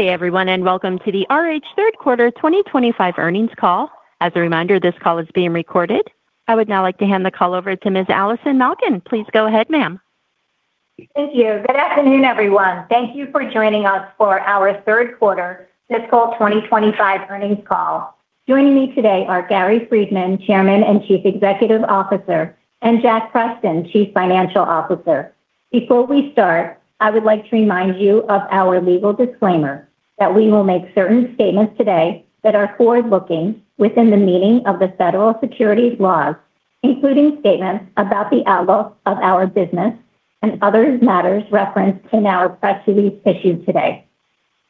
Good day, everyone, and welcome to the RH Third Quarter 2025 earnings call. As a reminder, this call is being recorded. I would now like to hand the call over to Ms. Allison Malkin. Please go ahead, ma'am. Thank you. Good afternoon, everyone. Thank you for joining us for our Third Quarter Fiscal 2025 earnings call. Joining me today are Gary Friedman, Chairman and Chief Executive Officer, and Jack Preston, Chief Financial Officer. Before we start, I would like to remind you of our legal disclaimer that we will make certain statements today that are forward-looking within the meaning of the federal securities laws, including statements about the outlook of our business and other matters referenced in our press release issued today.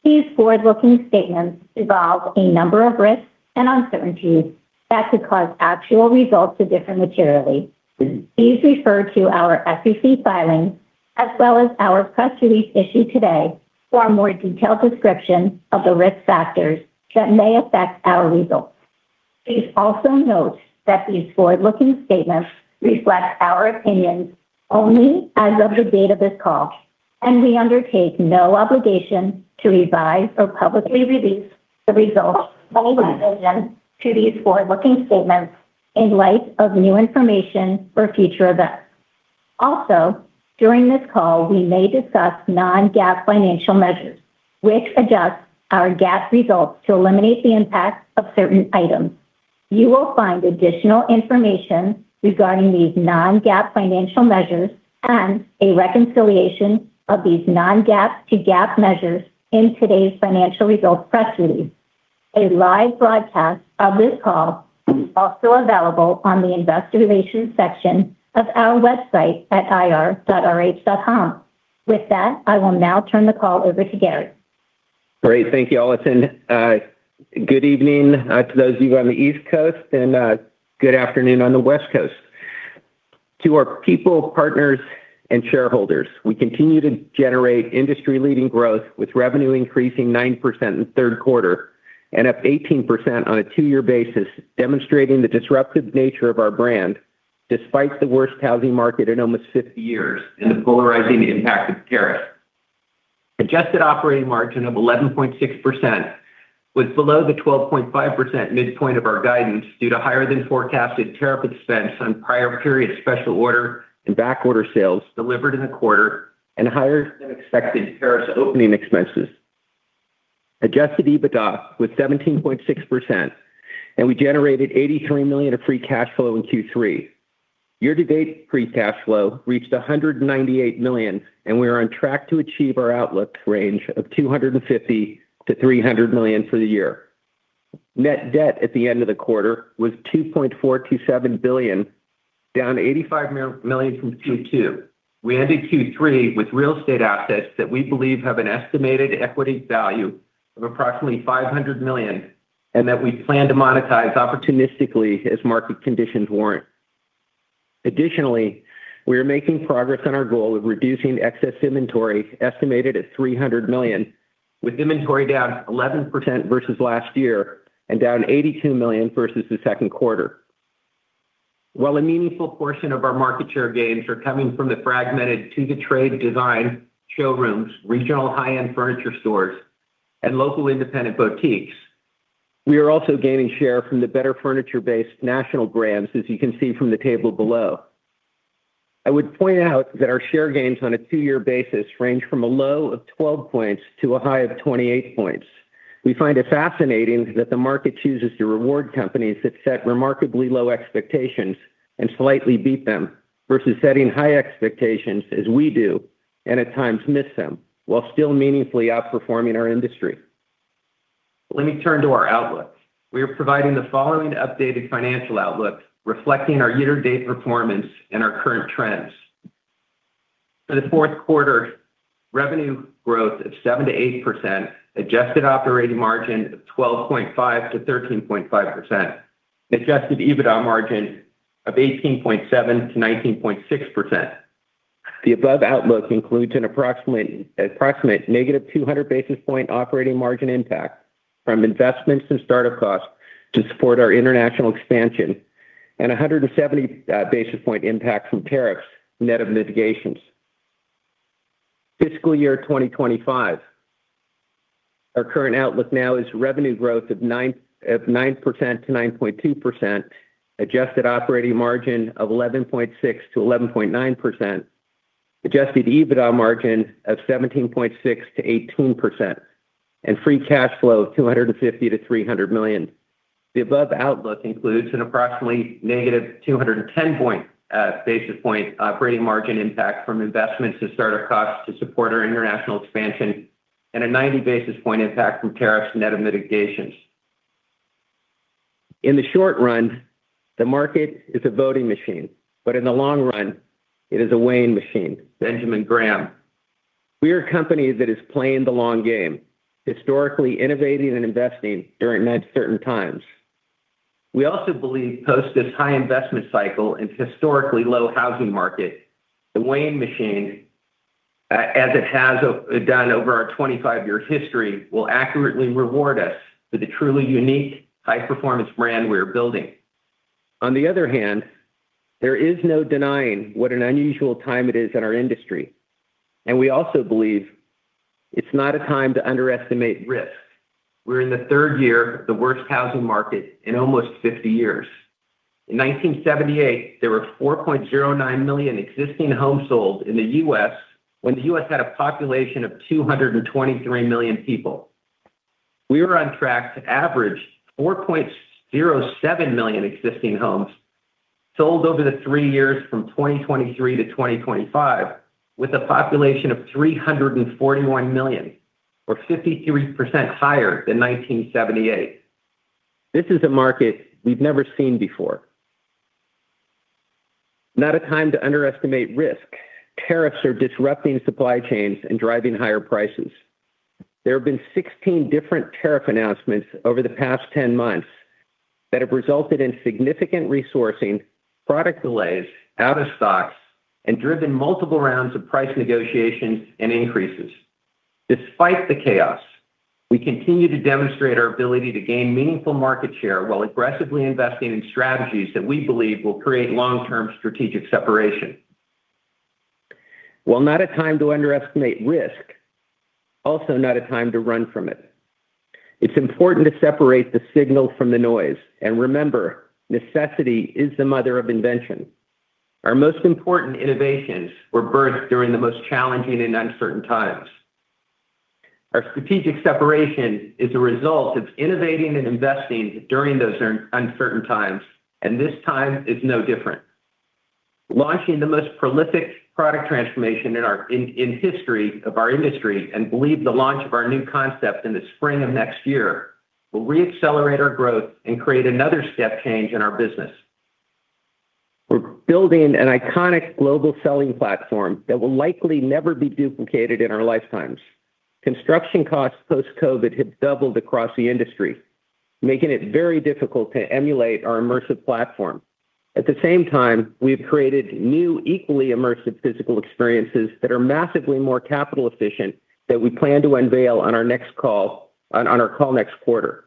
These forward-looking statements involve a number of risks and uncertainties that could cause actual results to differ materially. Please refer to our SEC filing as well as our press release issued today for a more detailed description of the risk factors that may affect our results. Please also note that these forward-looking statements reflect our opinions only as of the date of this call, and we undertake no obligation to revise or publicly release the results of any revisions to these forward-looking statements in light of new information or future events. Also, during this call, we may discuss non-GAAP financial measures, which adjust our GAAP results to eliminate the impact of certain items. You will find additional information regarding these non-GAAP financial measures and a reconciliation of these non-GAAP to GAAP measures in today's financial results press release. A live broadcast of this call is also available on the Investor Relations section of our website at ir.rh.com. With that, I will now turn the call over to Gary. Great. Thank you, Allison. Good evening to those of you on the East Coast, and good afternoon on the West Coast. To our people, partners, and shareholders, we continue to generate industry-leading growth with revenue increasing 9% in the third quarter and up 18% on a two-year basis, demonstrating the disruptive nature of our brand despite the worst housing market in almost 50 years and the polarizing impact of tariffs. Adjusted operating margin of 11.6% was below the 12.5% midpoint of our guidance due to higher-than-forecasted tariff expense on prior period special order and backorder sales delivered in the quarter and higher-than-expected tariffs opening expenses. Adjusted EBITDA was 17.6%, and we generated $83 million of free cash flow in Q3. Year-to-date free cash flow reached $198 million, and we are on track to achieve our outlook range of $250 million to $300 million for the year. Net debt at the end of the quarter was $2.427 billion, down $85 million from Q2. We ended Q3 with real estate assets that we believe have an estimated equity value of approximately $500 million and that we plan to monetize opportunistically as market conditions warrant. Additionally, we are making progress on our goal of reducing excess inventory estimated at $300 million, with inventory down 11% versus last year and down $82 million versus the second quarter. While a meaningful portion of our market share gains are coming from the fragmented to-the-trade design showrooms, regional high-end furniture stores, and local independent boutiques, we are also gaining share from the better furniture-based national brands, as you can see from the table below. I would point out that our share gains on a two-year basis range from a low of 12 points to a high of 28 points. We find it fascinating that the market chooses to reward companies that set remarkably low expectations and slightly beat them versus setting high expectations, as we do, and at times miss them while still meaningfully outperforming our industry. Let me turn to our outlook. We are providing the following updated financial outlook reflecting our year-to-date performance and our current trends. For the fourth quarter, revenue growth of 7%-8%, adjusted operating margin of 12.5%-13.5%, adjusted EBITDA margin of 18.7%-19.6%. The above outlook includes an approximate negative 200 basis point operating margin impact from investments and startup costs to support our international expansion and 170 basis point impact from tariffs, net of mitigations. Fiscal year 2025, our current outlook now is revenue growth of 9%-9.2%, adjusted operating margin of 11.6%-11.9%, adjusted EBITDA margin of 17.6%-18%, and free cash flow of $250 million-$300 million. The above outlook includes an approximately -210 basis point operating margin impact from investments and startup costs to support our international expansion and a 90 basis point impact from tariffs, net of mitigations. In the short run, the market is a voting machine, but in the long run, it is a weighing machine. Benjamin Graham, we are a company that is playing the long game, historically innovating and investing during certain times. We also believe post this high investment cycle and historically low housing market, the weighing machine, as it has done over our 25-year history, will accurately reward us for the truly unique high-performance brand we are building. On the other hand, there is no denying what an unusual time it is in our industry, and we also believe it's not a time to underestimate risk. We're in the third year of the worst housing market in almost 50 years. In 1978, there were 4.09 million existing homes sold in the U.S. when the U.S. had a population of 223 million people. We were on track to average 4.07 million existing homes sold over the three years from 2023 to 2025, with a population of 341 million, or 53% higher than 1978. This is a market we've never seen before. Not a time to underestimate risk. Tariffs are disrupting supply chains and driving higher prices. There have been 16 different tariff announcements over the past 10 months that have resulted in significant resourcing, product delays, out-of-stocks, and driven multiple rounds of price negotiations and increases. Despite the chaos, we continue to demonstrate our ability to gain meaningful market share while aggressively investing in strategies that we believe will create long-term strategic separation. While not a time to underestimate risk, also not a time to run from it. It's important to separate the signal from the noise, and remember, necessity is the mother of invention. Our most important innovations were birthed during the most challenging and uncertain times. Our strategic separation is a result of innovating and investing during those uncertain times, and this time is no different. Launching the most prolific product transformation in the history of our industry, and believe the launch of our new concept in the spring of next year will re-accelerate our growth and create another step change in our business. We're building an iconic global selling platform that will likely never be duplicated in our lifetimes. Construction costs post-COVID have doubled across the industry, making it very difficult to emulate our immersive platform. At the same time, we have created new equally immersive physical experiences that are massively more capital-efficient that we plan to unveil on our next call next quarter.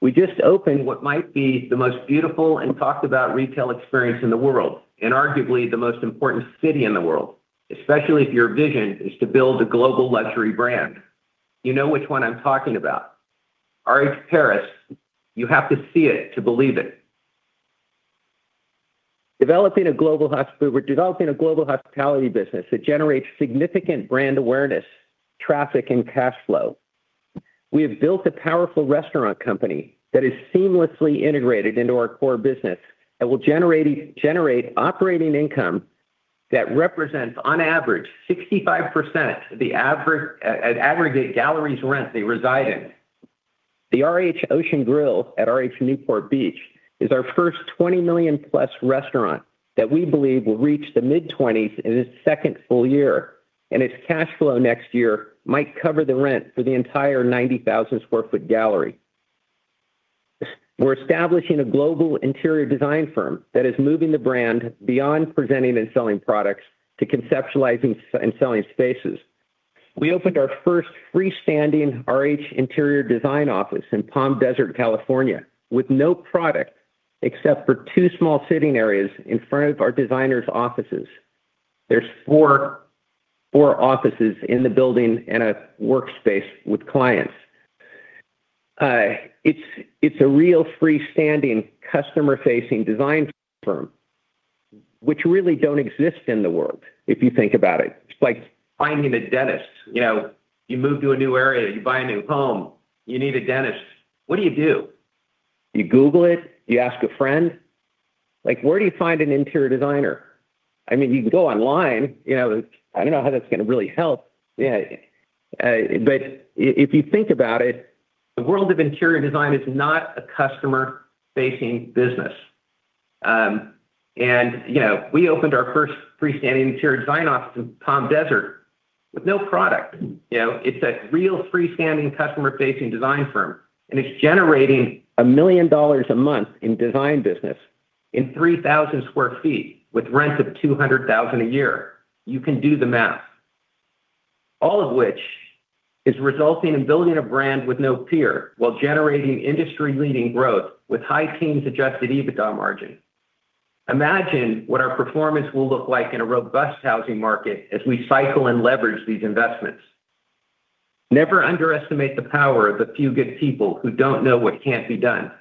We just opened what might be the most beautiful and talked-about retail experience in the world, and arguably the most important city in the world, especially if your vision is to build a global luxury brand. You know which one I'm talking about. RH Paris, you have to see it to believe it. We're developing a global hospitality business that generates significant brand awareness, traffic, and cash flow. We have built a powerful restaurant company that is seamlessly integrated into our core business that will generate operating income that represents, on average, 65% of the aggregate galleries' rent they reside in. The RH Ocean Grill at RH Newport Beach is our first $20 million-plus restaurant that we believe will reach the mid-20s in its second full year, and its cash flow next year might cover the rent for the entire 90,000 sq ft gallery. We're establishing a global interior design firm that is moving the brand beyond presenting and selling products to conceptualizing and selling spaces. We opened our first freestanding RH interior design office in Palm Desert, California, with no product except for two small sitting areas in front of our designers' offices. There's four offices in the building and a workspace with clients. It's a real freestanding customer-facing design firm, which really don't exist in the world, if you think about it. It's like finding a dentist. You move to a new area, you buy a new home, you need a dentist. What do you do? You Google it, you ask a friend. Where do you find an interior designer? I mean, you can go online. I don't know how that's going to really help. But if you think about it, the world of interior design is not a customer-facing business, and we opened our first freestanding interior design office in Palm Desert with no product. It's a real freestanding customer-facing design firm, and it's generating $1 million a month in design business in 3,000 sq ft with rent of $200,000 a year. You can do the math. All of which is resulting in building a brand with no peer while generating industry-leading growth with high-teens adjusted EBITDA margin. Imagine what our performance will look like in a robust housing market as we cycle and leverage these investments. Never underestimate the power of the few good people who don't know what can't be done,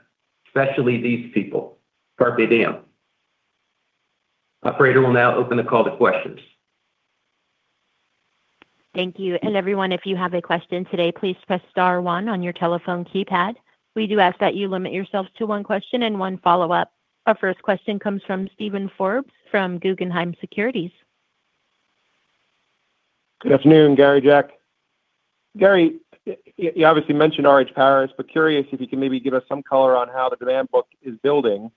especially these people. Fate damned. Operator will now open the call to questions. Thank you. And everyone, if you have a question today, please press star one on your telephone keypad. We do ask that you limit yourself to one question and one follow-up. Our first question comes from Steven Forbes from Guggenheim Securities. Good afternoon, Gary, Jack. Gary, you obviously mentioned RH Paris, but curious if you can maybe give us some color on how the demand book is building,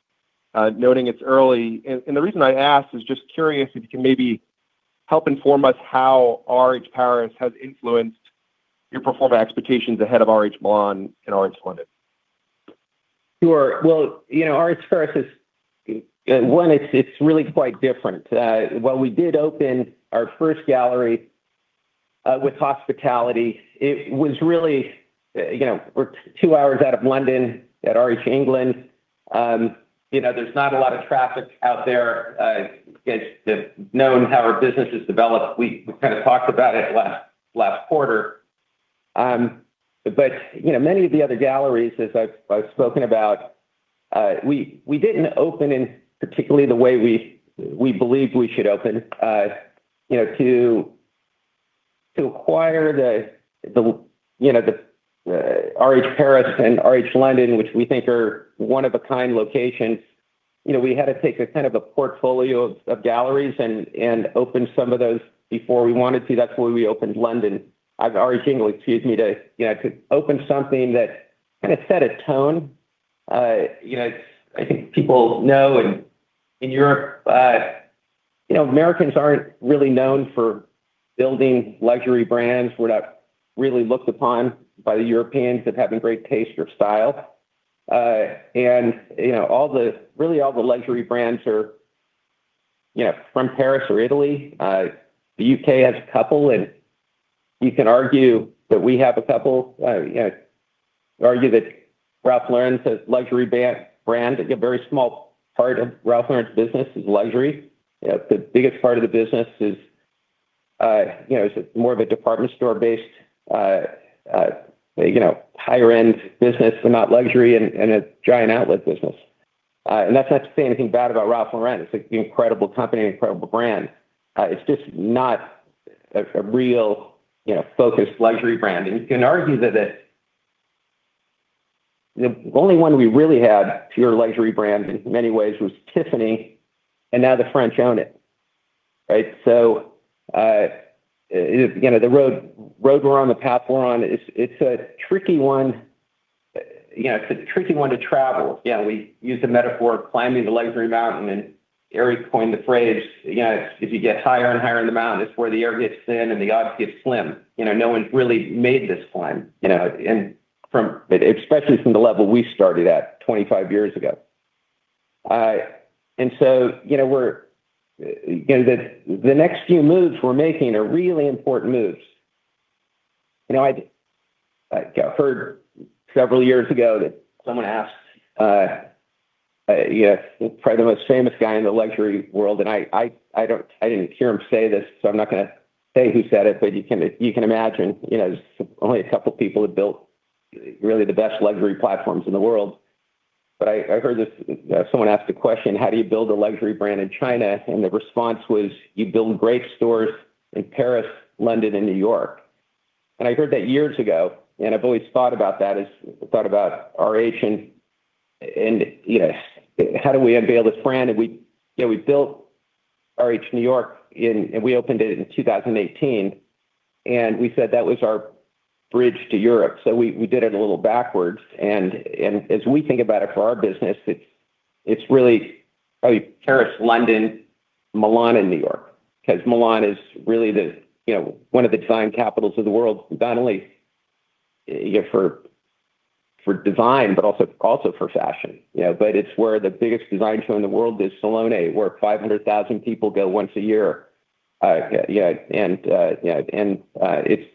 noting it's early, and the reason I ask is just curious if you can maybe help inform us how RH Paris has influenced your performance expectations ahead of RH Milan and RH London. Sure. Well, RH Paris is one. It's really quite different. While we did open our first gallery with hospitality, it was really two hours out of London at RH England. There's not a lot of traffic out there. Against knowing how our business has developed, we kind of talked about it last quarter. But many of the other galleries, as I've spoken about, we didn't open in particularly the way we believed we should open. To acquire the RH Paris and RH London, which we think are one-of-a-kind locations, we had to take a kind of a portfolio of galleries and open some of those before we wanted to. That's why we opened London. RH England, excuse me, to open something that kind of set a tone. I think people know. In Europe, Americans aren't really known for building luxury brands. We're not really looked upon by the Europeans that have a great taste or style. And really, all the luxury brands are from Paris or Italy. The U.K. has a couple, and you can argue that we have a couple. Argue that Ralph Lauren's luxury brand, a very small part of Ralph Lauren's business is luxury. The biggest part of the business is more of a department store-based higher-end business, but not luxury and a giant outlet business. And that's not to say anything bad about Ralph Lauren. It's an incredible company, incredible brand. It's just not a real focused luxury brand. And you can argue that the only one we really had pure luxury brand in many ways was Tiffany, and now the French own it. The road we're on, the path we're on, it's a tricky one. It's a tricky one to travel. We use the metaphor of climbing the luxury mountain, and Eri coined the phrase, "If you get higher and higher in the mountain, it's where the air gets thin and the odds get slim." No one really made this climb, especially from the level we started at 25 years ago, and so the next few moves we're making are really important moves. I heard several years ago that someone asked probably the most famous guy in the luxury world, and I didn't hear him say this, so I'm not going to say who said it, but you can imagine only a couple of people have built really the best luxury platforms in the world. But I heard someone ask a question, "How do you build a luxury brand in China?" And the response was, "You build great stores in Paris, London, and New York." And I heard that years ago, and I've always thought about that, thought about RH, and how do we unveil this brand? We built RH New York, and we opened it in 2018, and we said that was our bridge to Europe. So we did it a little backwards. And as we think about it for our business, it's really Paris, London, Milan, and New York, because Milan is really one of the design capitals of the world, not only for design, but also for fashion. But it's where the biggest design show in the world is Salone, where 500,000 people go once a year. And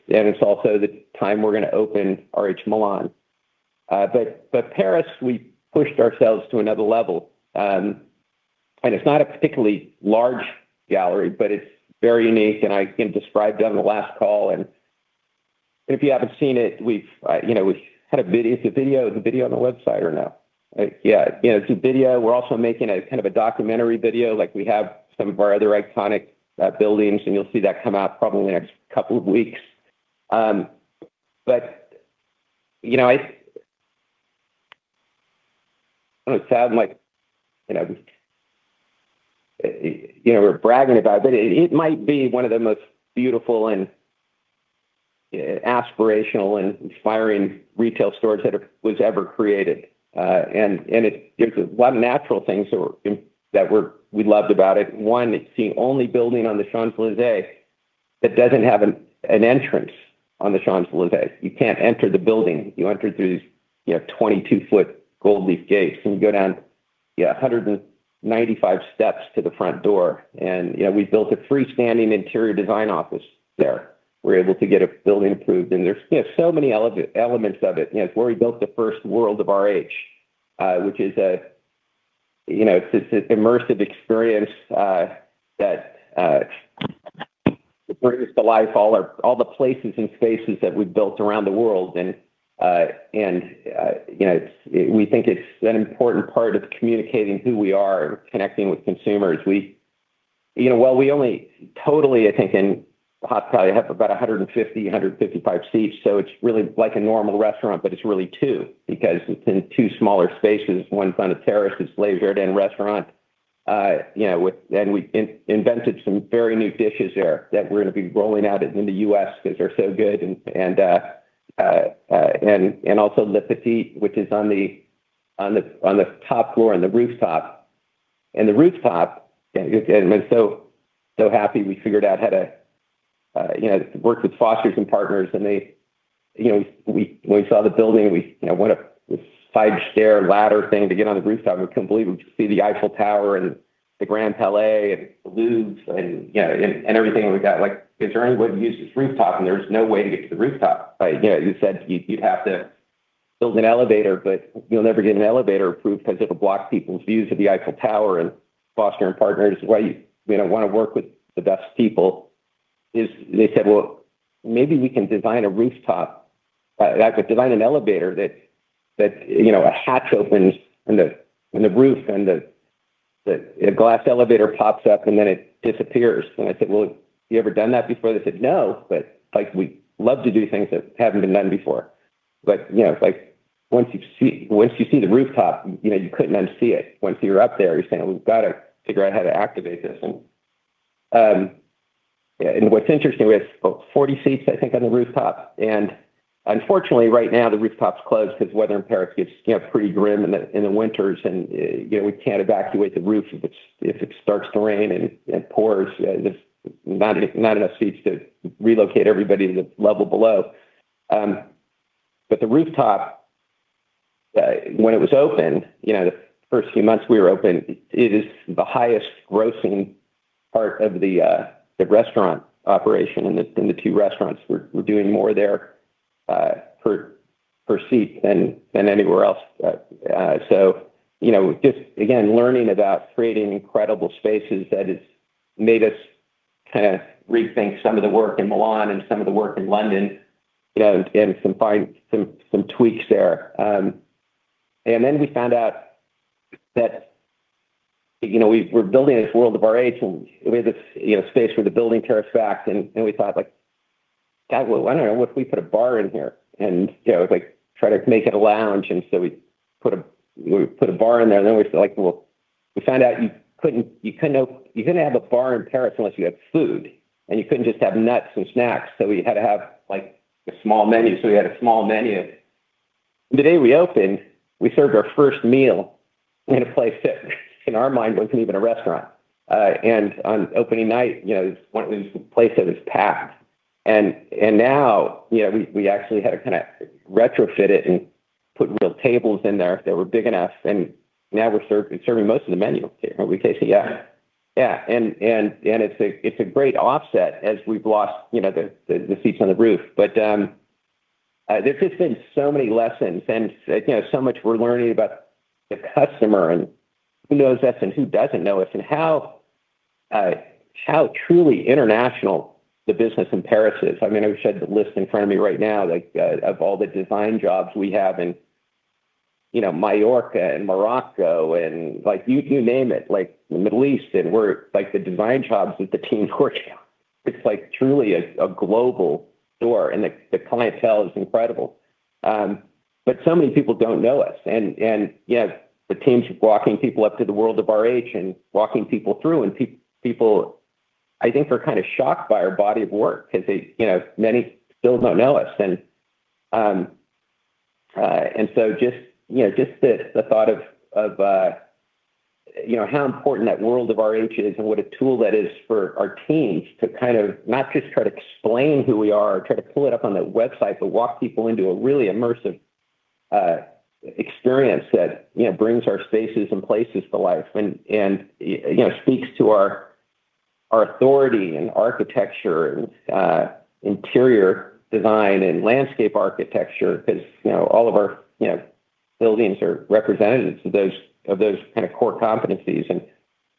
it's also the time we're going to open RH Milan. But Paris, we pushed ourselves to another level. And it's not a particularly large gallery, but it's very unique, and I can describe it on the last call. And if you haven't seen it, we've had a video. Is it a video on the website or no? Yeah, it's a video. We're also making a kind of a documentary video. We have some of our other iconic buildings, and you'll see that come out probably in the next couple of weeks. But I don't know if it sounds like we're bragging about it, but it might be one of the most beautiful and aspirational and inspiring retail stores that was ever created. And there's a lot of natural things that we loved about it. One, it's the only building on the Champs-Élysées that doesn't have an entrance on the Champs-Élysées. You can't enter the building. You enter through these 22-foot gold leaf gates, and you go down 195 steps to the front door. We built a freestanding interior design office there. We're able to get a building approved, and there's so many elements of it. It's where we built the first World of RH, which is an immersive experience that brings to life all the places and spaces that we've built around the world. We think it's an important part of communicating who we are and connecting with consumers. Well, we only totally, I think, in hotspot, we have about 150-155 seats, so it's really like a normal restaurant, but it's really two because it's in two smaller spaces. One's on a terrace. It's leisure and restaurant. We invented some very new dishes there that we're going to be rolling out in the U.S. because they're so good. And also Le Petit, which is on the top floor on the rooftop. And the rooftop, I'm so happy we figured out how to work with Foster + Partners, and when we saw the building, we went up the side stair ladder thing to get on the rooftop. We couldn't believe we could see the Eiffel Tower and the Grand Palais and the Louvre and everything we've got. Is there any way to use this rooftop? And there's no way to get to the rooftop. You said you'd have to build an elevator, but you'll never get an elevator approved because it'll block people's views of the Eiffel Tower and Foster + Partners. Why you want to work with the best people is they said, "Well, maybe we can design a rooftop. I could design an elevator that a hatch opens on the roof and a glass elevator pops up, and then it disappears." And I said, "Well, have you ever done that before?" They said, "No, but we love to do things that haven't been done before." But once you see the rooftop, you couldn't unsee it. Once you're up there, you're saying, "We've got to figure out how to activate this." And what's interesting, we have 40 seats, I think, on the rooftop. And unfortunately, right now, the rooftop's closed because weather in Paris gets pretty grim in the winters, and we can't evacuate the roof if it starts to rain and pours. There's not enough seats to relocate everybody to the level below. But the rooftop, when it was open the first few months we were open, it is the highest grossing part of the restaurant operation in the two restaurants. We're doing more there per seat than anywhere else. So just, again, learning about creating incredible spaces that has made us kind of rethink some of the work in Milan and some of the work in London and some tweaks there. And then we found out that we're building this world of RH, and we have this space where the building tears back, and we thought, "God, well, I don't know. What if we put a bar in here and try to make it a lounge?" And so we put a bar in there, and then we were like, "Well, we found out you couldn't have a bar in Paris unless you had food, and you couldn't just have nuts and snacks. So we had to have a small menu. So we had a small menu. The day we opened, we served our first meal in a place that, in our mind, wasn't even a restaurant. And on opening night, it was a place that was packed. And now we actually had to kind of retrofit it and put real tables in there if they were big enough. And now we're serving most of the menu here. Are we tasty? Yeah. Yeah. And it's a great offset as we've lost the seats on the roof. But there's just been so many lessons and so much we're learning about the customer and who knows us and who doesn't know us and how truly international the business in Paris is. I mean, I wish I had the list in front of me right now of all the design jobs we have in Mallorca and Morocco and you name it, the Middle East. And we do the design jobs that the team works on. It's truly a global story, and the clientele is incredible. But so many people don't know us. And the team's walking people up to the world of RH and walking people through. And people, I think, are kind of shocked by our body of work because many still don't know us. Just the thought of how important that world of RH is and what a tool that is for our teams to kind of not just try to explain who we are or try to pull it up on the website, but walk people into a really immersive experience that brings our spaces and places to life and speaks to our authority and architecture and interior design and landscape architecture because all of our buildings are representatives of those kind of core competencies. And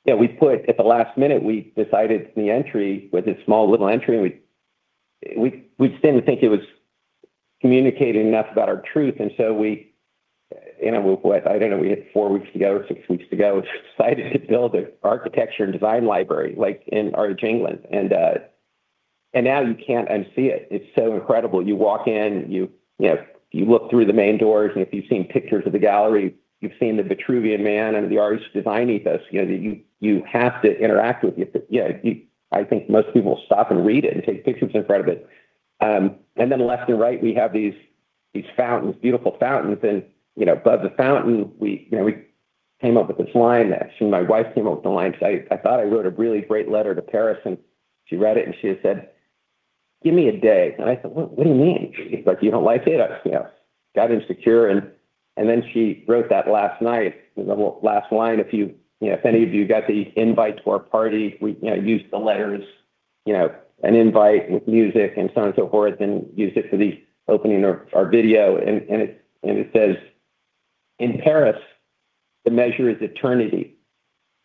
at the last minute, we decided the entry was a small little entry. We didn't think it was communicating enough about our truth. And so we, I don't know, we had four weeks to go or six weeks to go, decided to build an architecture and design library in RH England. And now you can't unsee it. It's so incredible. You walk in, you look through the main doors, and if you've seen pictures of the gallery, you've seen the Vitruvian Man and the artist design ethos. You have to interact with it. I think most people will stop and read it and take pictures in front of it. And then left and right, we have these beautiful fountains. And above the fountain, we came up with this line that my wife came up with. I thought I wrote a really great letter to Paris, and she read it, and she said, "Give me a day." And I said, "What do you mean? You don't like it?" Got insecure. And then she wrote that last night, the last line, "If any of you got the invite to our party, we used the letters, an invite with music and so on and so forth, and used it for the opening of our video." And it says, "In Paris, the measure is eternity.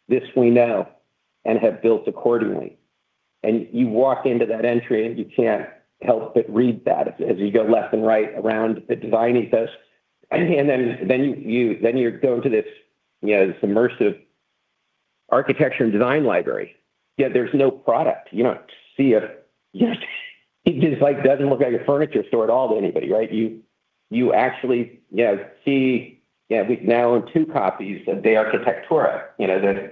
This we know and have built accordingly." And you walk into that entry, and you can't help but read that as you go left and right around the design ethos. And then you go into this immersive architecture and design library. Yet there's no product. You don't see. It doesn't look like a furniture store at all to anybody, right? You actually see we've now owned two copies of De architectura, 10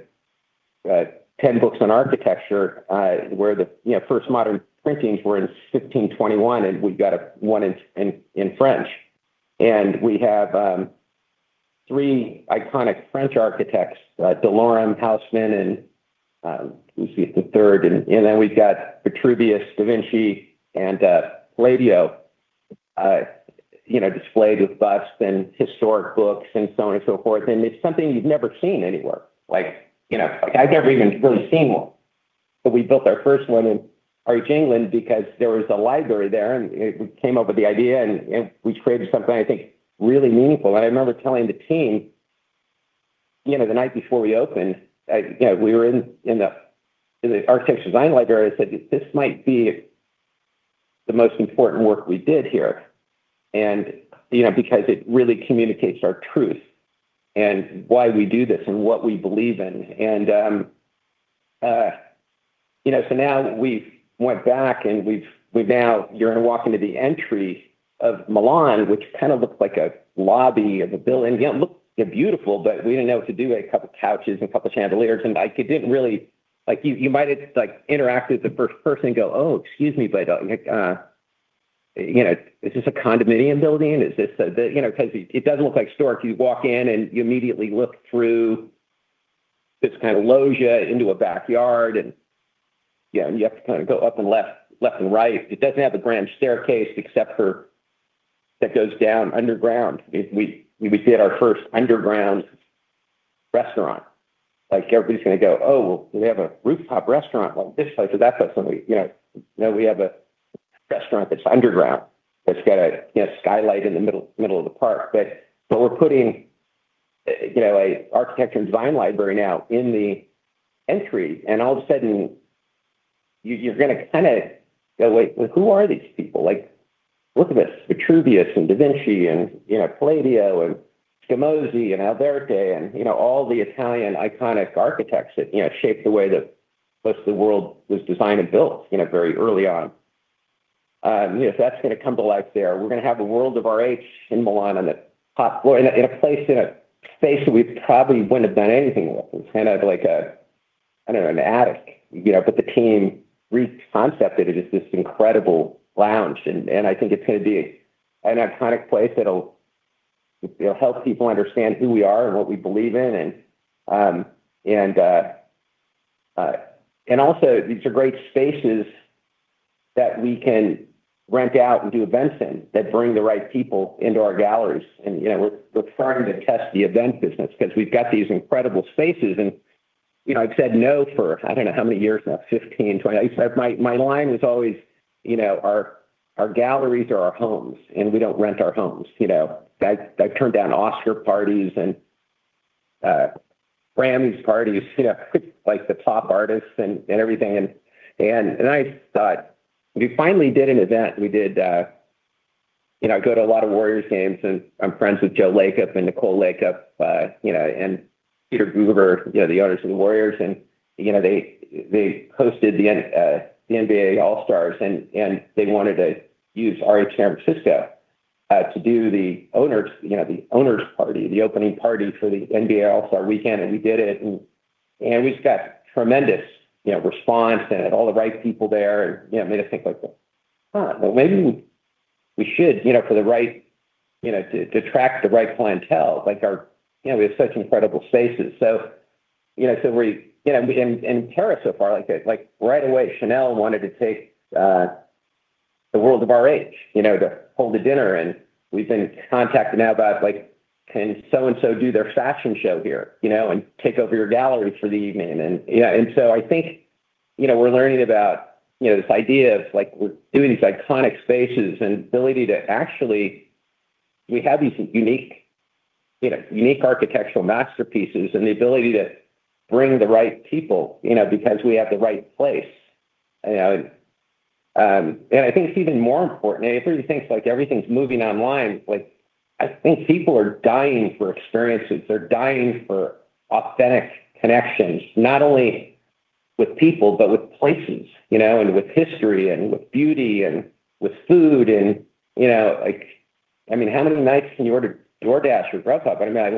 books on architecture, where the first modern printings were in 1521, and we've got one in French. We have three iconic French architects, de l'Orme, Haussmann, and who's the third? We've got Vitruvius, da Vinci, and Palladio displayed with busts and historic books and so on and so forth. It's something you've never seen anywhere. I've never even really seen one. We built our first one in RH England because there was a library there, and we came up with the idea, and we created something, I think, really meaningful. I remember telling the team the night before we opened. We were in the architecture design library. I said, "This might be the most important work we did here because it really communicates our truth and why we do this and what we believe in." Now we went back, and you're going to walk into the entry of Milan, which kind of looks like a lobby of a building. It looks beautiful, but we didn't know what to do. A couple of couches and a couple of chandeliers. And it didn't really you might interact with the first person and go, "Oh, excuse me, but is this a condominium building? Is this a" because it doesn't look like a store. You walk in, and you immediately look through this kind of loggia into a backyard. And you have to kind of go up and left and right. It doesn't have a grand staircase except for that goes down underground. We did our first underground restaurant. Everybody's going to go, "Oh, well, do they have a rooftop restaurant like this place or that place?" No, we have a restaurant that's underground that's got a skylight in the middle of the park. But we're putting an architecture and design library now in the entry. And all of a sudden, you're going to kind of go, "Wait, who are these people? Look at this, Vitruvius and da Vinci and Palladio and Scamozzi and Alberti and all the Italian iconic architects that shaped the way that most of the world was designed and built very early on." So that's going to come to life there. We're going to have a world of RH in Milan in a place in a space that we probably wouldn't have done anything with. It's kind of like, I don't know, an attic. But the team reconcepted it as this incredible lounge. And I think it's going to be an iconic place that'll help people understand who we are and what we believe in. And also, these are great spaces that we can rent out and do events in that bring the right people into our galleries. And we're starting to test the event business because we've got these incredible spaces. And I've said no for I don't know how many years now, 15 years, 20 years. My line was always, "Our galleries are our homes, and we don't rent our homes." I've turned down Oscar parties and Grammys parties with the top artists and everything. And I thought, "We finally did an event." We did. I go to a lot of Warriors games, and I'm friends with Joe Lacob and Nicole Lacob and Peter Guber, the owners of the Warriors. And they hosted the NBA All-Stars, and they wanted to use RH San Francisco to do the owners' party, the opening party for the NBA All-Star weekend. And we did it. And we just got tremendous response and had all the right people there. And it made us think like, "Huh, well, maybe we should for the right to attract the right clientele." We have such incredible spaces. So we're in Paris so far. Right away, Chanel wanted to take the world of RH to hold a dinner. And we've been contacted now about, "Can so-and-so do their fashion show here and take over your gallery for the evening?" And so I think we're learning about this idea of we're doing these iconic spaces and the ability to actually we have these unique architectural masterpieces and the ability to bring the right people because we have the right place. And I think it's even more important. Everybody thinks everything's moving online. I think people are dying for experiences. They're dying for authentic connections, not only with people, but with places and with history and with beauty and with food. And I mean, how many nights can you order DoorDash or Grubhub? I mean, I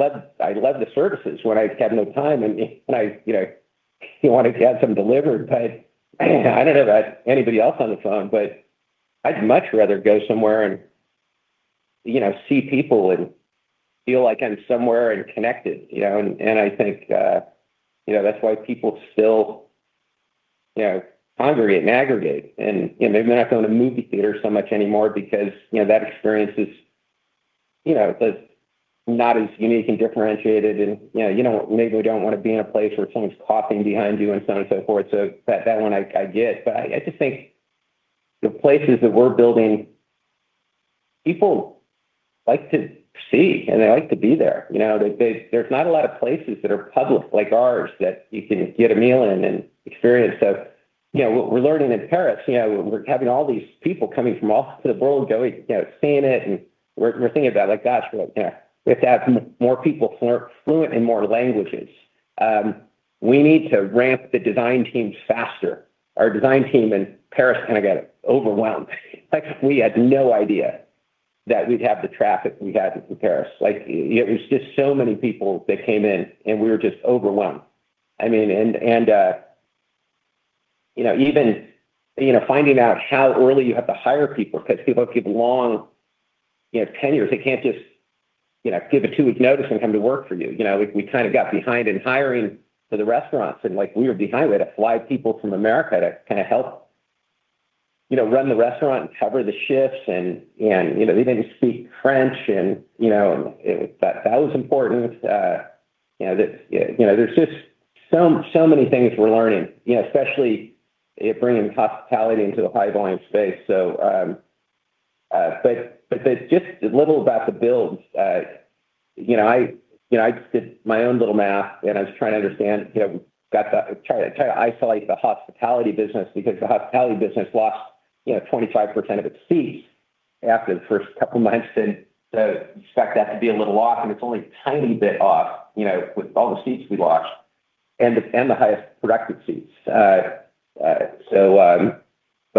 love the services when I have no time, and you want to get something delivered. But I don't know about anybody else on the phone, but I'd much rather go somewhere and see people and feel like I'm somewhere and connected. And I think that's why people still congregate and aggregate. And maybe they're not going to a movie theater so much anymore because that experience is not as unique and differentiated. And maybe we don't want to be in a place where someone's coughing behind you and so on and so forth. So that one I get. But I just think the places that we're building, people like to see, and they like to be there. There's not a lot of places that are public like ours that you can get a meal in and experience. So we're learning in Paris. We're having all these people coming from all over the world, seeing it. And we're thinking about, "Gosh, we have to have more people fluent in more languages." We need to ramp the design teams faster. Our design team in Paris kind of got overwhelmed. We had no idea that we'd have the traffic we had in Paris. It was just so many people that came in, and we were just overwhelmed. I mean, and even finding out how early you have to hire people because people have to give long tenures. They can't just give a two-week notice and come to work for you. We kind of got behind in hiring for the restaurants. And we were behind. We had to fly people from America to kind of help run the restaurant and cover the shifts. And they didn't speak French. And that was important. There's just so many things we're learning, especially bringing hospitality into the high-volume space. But just a little about the build. I did my own little math, and I was trying to understand. We tried to isolate the hospitality business because the hospitality business lost 25% of its seats after the first couple of months. And so we expect that to be a little off. And it's only a tiny bit off with all the seats we lost and the highest productive seats. But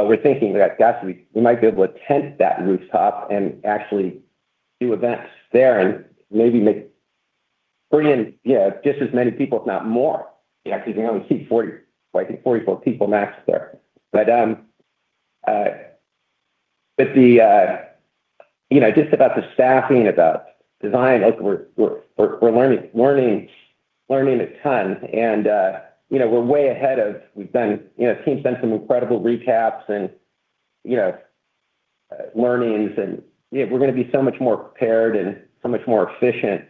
we're thinking that, gosh, we might be able to tent that rooftop and actually do events there and maybe bring in just as many people, if not more, because we only seat 40 people - 44 people max there. Just about the staffing, about design, we're learning a ton. We're way ahead of we've done. The team sent some incredible recaps and learnings. We're going to be so much more prepared and so much more efficient.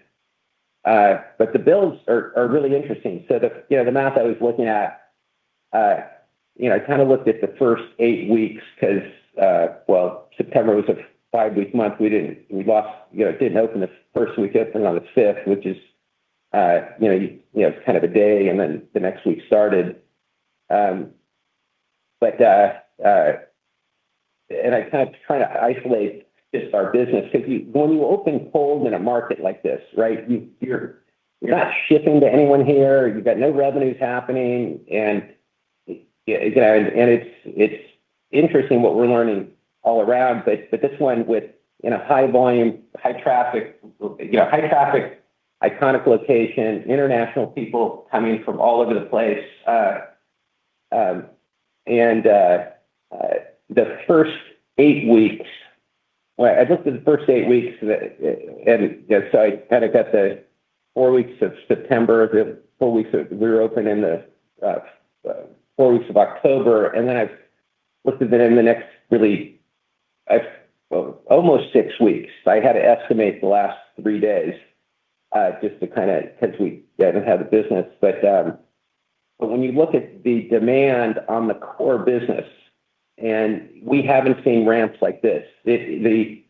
The builds are really interesting. The math I was looking at, I kind of looked at the first eight weeks because, well, September was a five-week month. We didn't open the first week, open on the 5th, which is kind of a day. The next week started. I kind of try to isolate just our business because when you open cold in a market like this, right, you're not shipping to anyone here. You've got no revenues happening. It's interesting what we're learning all around. This one with high volume, high traffic, iconic location, international people coming from all over the place. The first eight weeks, I looked at the first eight weeks. I kind of got the four weeks of September, the four weeks that we were open in, the four weeks of October. I've looked at it in the next really almost six weeks. I had to estimate the last three days just to kind of because we didn't have the business. When you look at the demand on the core business, and we haven't seen ramps like this. The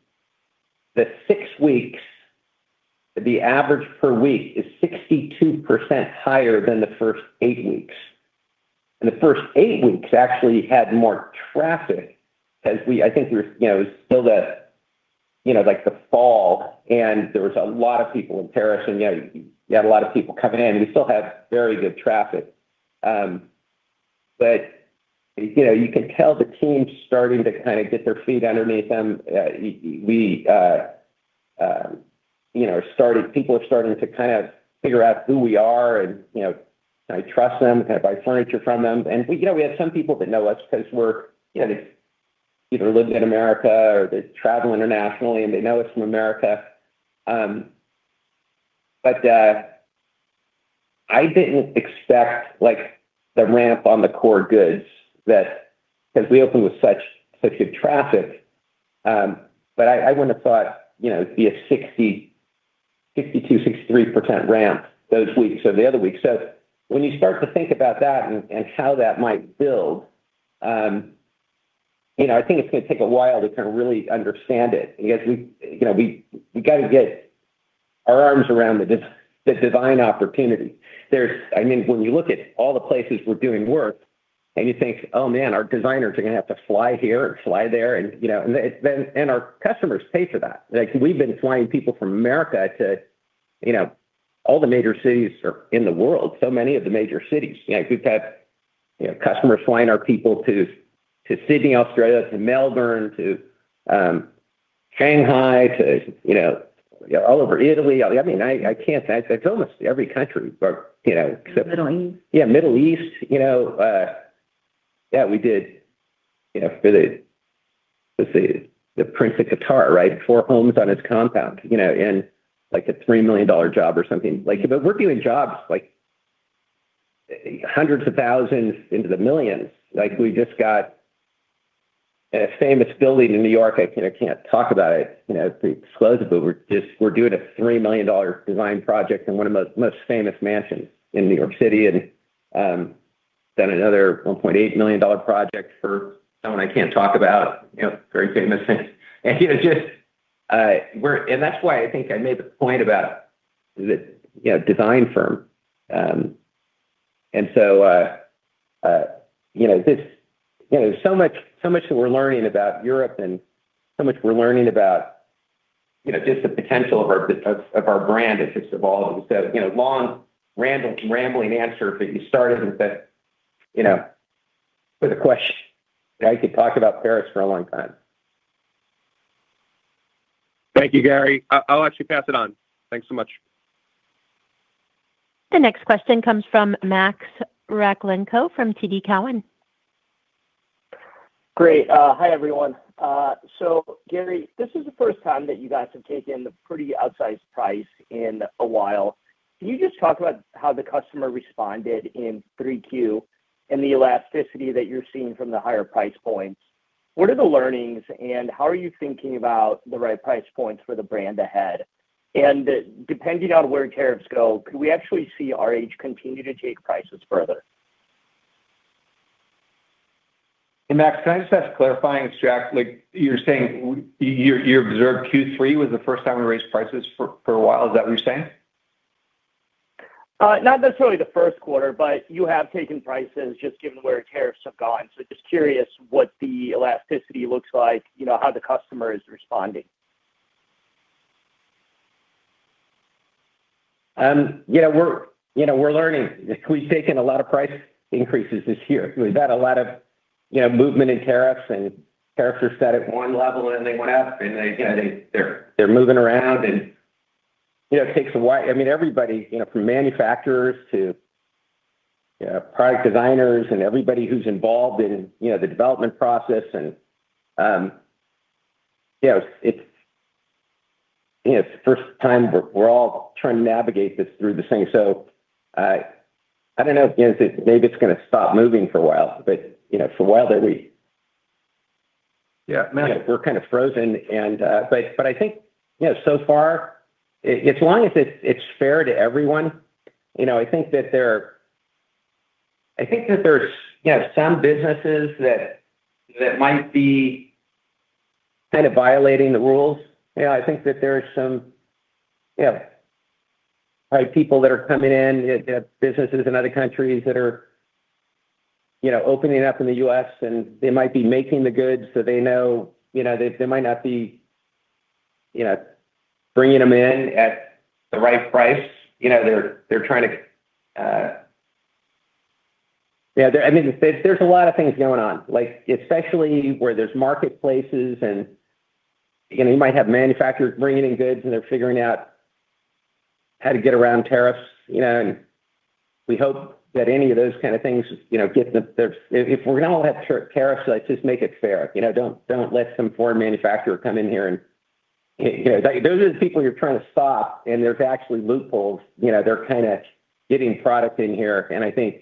six weeks, the average per week is 62% higher than the first eight weeks. The first eight weeks actually had more traffic because I think it was still the fall, and there was a lot of people in Paris. You had a lot of people coming in. We still have very good traffic. But you can tell the team's starting to kind of get their feet underneath them. People are starting to kind of figure out who we are and trust them, kind of buy furniture from them. And we have some people that know us because they've either lived in America or they travel internationally, and they know us from America. But I didn't expect the ramp on the core goods because we opened with such good traffic. But I wouldn't have thought it'd be a 62%-63% ramp those weeks or the other weeks. So when you start to think about that and how that might build, I think it's going to take a while to kind of really understand it because we got to get our arms around the design opportunity. I mean, when you look at all the places we're doing work, and you think, "Oh, man, our designers are going to have to fly here and fly there." And our customers pay for that. We've been flying people from America to all the major cities in the world, so many of the major cities. We've had customers flying our people to Sydney, Australia, to Melbourne, to Shanghai, to all over Italy. I mean, I can't say it's almost every country. Middle East. Yeah, Middle East. Yeah, we did for the let's see, the Prince of Qatar, right? Four homes on his compound and a $3 million job or something. But we're doing jobs hundreds of thousands into the millions. We just got a famous building in New York. I can't talk about it exclusively. We're doing a $3 million design project in one of the most famous mansions in New York City and done another $1.8 million project for someone I can't talk about, very famous. And that's why I think I made the point about the design firm. And so there's so much that we're learning about Europe and so much we're learning about just the potential of our brand as it's evolved. And so, long rambling answer, but you started with a question. I could talk about Paris for a long time. Thank you, Gary. I'll actually pass it on. Thanks so much. The next question comes from Max Rakhlenko from TD Cowen. Great. Hi, everyone. So, Gary, this is the first time that you guys have taken the pretty outsized price in a while. Can you just talk about how the customer responded in 3Q and the elasticity that you're seeing from the higher price points? What are the learnings, and how are you thinking about the right price points for the brand ahead, and depending on where tariffs go, could we actually see RH continue to take prices further? Hey, Max, can I just ask clarifying? You're saying you observed Q3 was the first time we raised prices for a while. Is that what you're saying? Not necessarily the first quarter, but you have taken prices just given where tariffs have gone. So just curious what the elasticity looks like, how the customer is responding. We're learning. We've taken a lot of price increases this year. We've had a lot of movement in tariffs, and tariffs are set at one level, and then they went up, and they're moving around. It takes a while. I mean, everybody from manufacturers to product designers and everybody who's involved in the development process. It's the first time we're all trying to navigate this through the thing. I don't know if maybe it's going to stop moving for a while, but for a while that we're kind of frozen. I think so far, as long as it's fair to everyone, I think that there's some businesses that might be kind of violating the rules. I think that there are some people that are coming in, businesses in other countries that are opening up in the U.S., and they might be making the goods. They know they might not be bringing them in at the right price. They're trying to. Yeah, I mean, there's a lot of things going on, especially where there's marketplaces. You might have manufacturers bringing in goods, and they're figuring out how to get around tariffs. We hope that any of those kind of things get. If we're going to all have tariffs, let's just make it fair. Don't let some foreign manufacturer come in here. Those are the people you're trying to stop. There's actually loopholes. They're kind of getting product in here. I think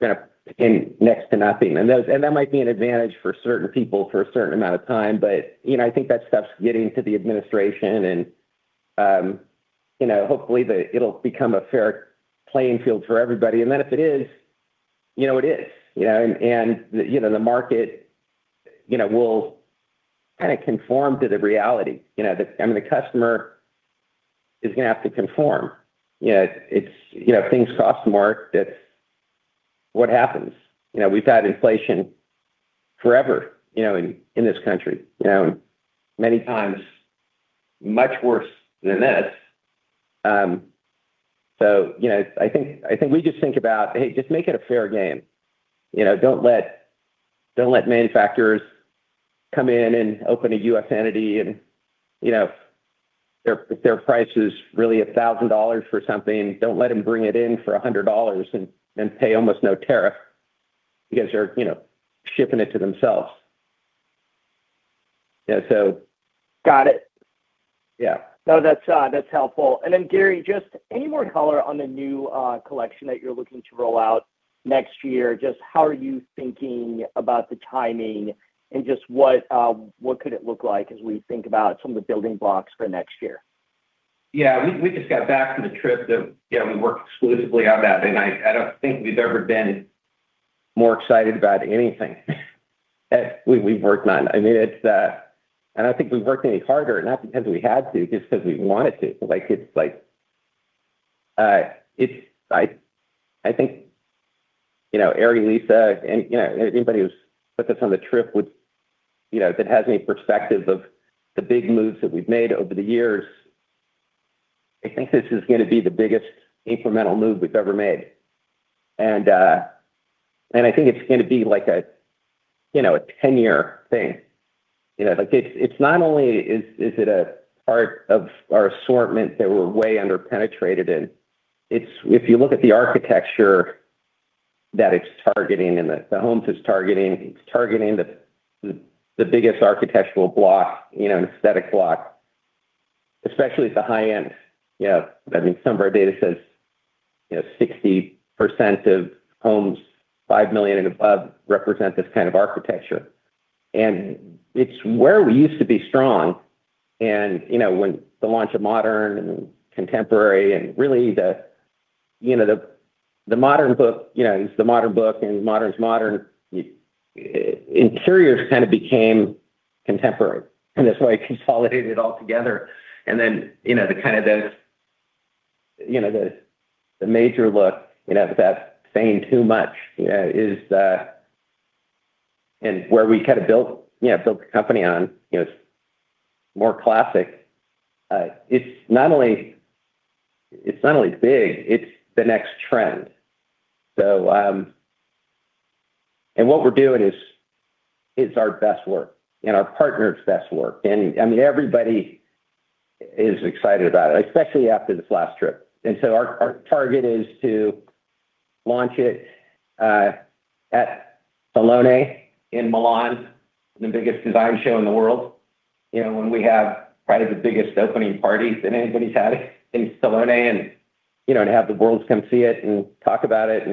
we're going to end next to nothing. That might be an advantage for certain people for a certain amount of time. I think that stuff's getting to the administration. Hopefully, it'll become a fair playing field for everybody. Then if it is, it is. The market will kind of conform to the reality. I mean, the customer is going to have to conform. If things cost more, that's what happens. We've had inflation forever in this country, many times much worse than this. So I think we just think about, "Hey, just make it a fair game. Don't let manufacturers come in and open a U.S. entity." And if their price is really $1,000 for something, don't let them bring it in for $100 and pay almost no tariff because they're shipping it to themselves. Got it. Yeah. No, that's helpful. And then, Gary, just any more color on the new collection that you're looking to roll out next year? Just how are you thinking about the timing and just what could it look like as we think about some of the building blocks for next year? Yeah. We just got back from the trip that we worked exclusively on that. And I don't think we've ever been more excited about anything that we've worked on. I mean, and I think we've never worked any harder, not because we had to, just because we wanted to. I think Ari, Lisa, and anybody who's put this on the trip that has any perspective of the big moves that we've made over the years, I think this is going to be the biggest incremental move we've ever made. And I think it's going to be a 10-year thing. It's not only is it a part of our assortment that we're way underpenetrated in. If you look at the architecture that it's targeting and the homes it's targeting, it's targeting the biggest architectural block, an aesthetic block, especially at the high end. I mean, some of our data says 60% of homes $5 million and above represent this kind of architecture. And it's where we used to be strong. And when the launch of modern and contemporary and really the modern book is the modern book and modern's modern, interiors kind of became contemporary. And that's why we consolidated it all together. And then kind of the major look, that saying too much is and where we kind of built the company on, it's more classic. It's not only big, it's the next trend. And what we're doing is our best work and our partner's best work. And I mean, everybody is excited about it, especially after this last trip. And so our target is to launch it at Salone in Milan, the biggest design show in the world, when we have probably the biggest opening party that anybody's had in Salone and have the world come see it and talk about it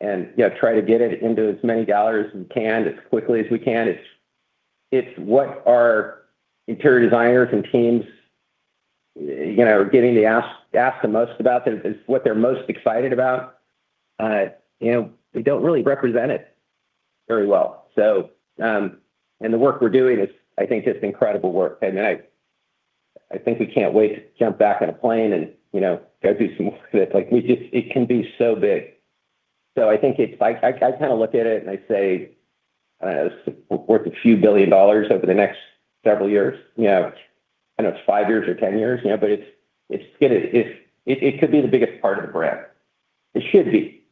and try to get it into as many galleries as we can as quickly as we can. It's what our interior designers and teams are getting to ask the most about, what they're most excited about. We don't really represent it very well. And the work we're doing is, I think, just incredible work. And I think we can't wait to jump back on a plane and go do some work that it can be so big. So I think I kind of look at it and I say, "I don't know. It's worth a few billion dollars over the next several years." I don't know if it's 5 years or 10 years, but it's going to, it could be the biggest part of the brand. It should be,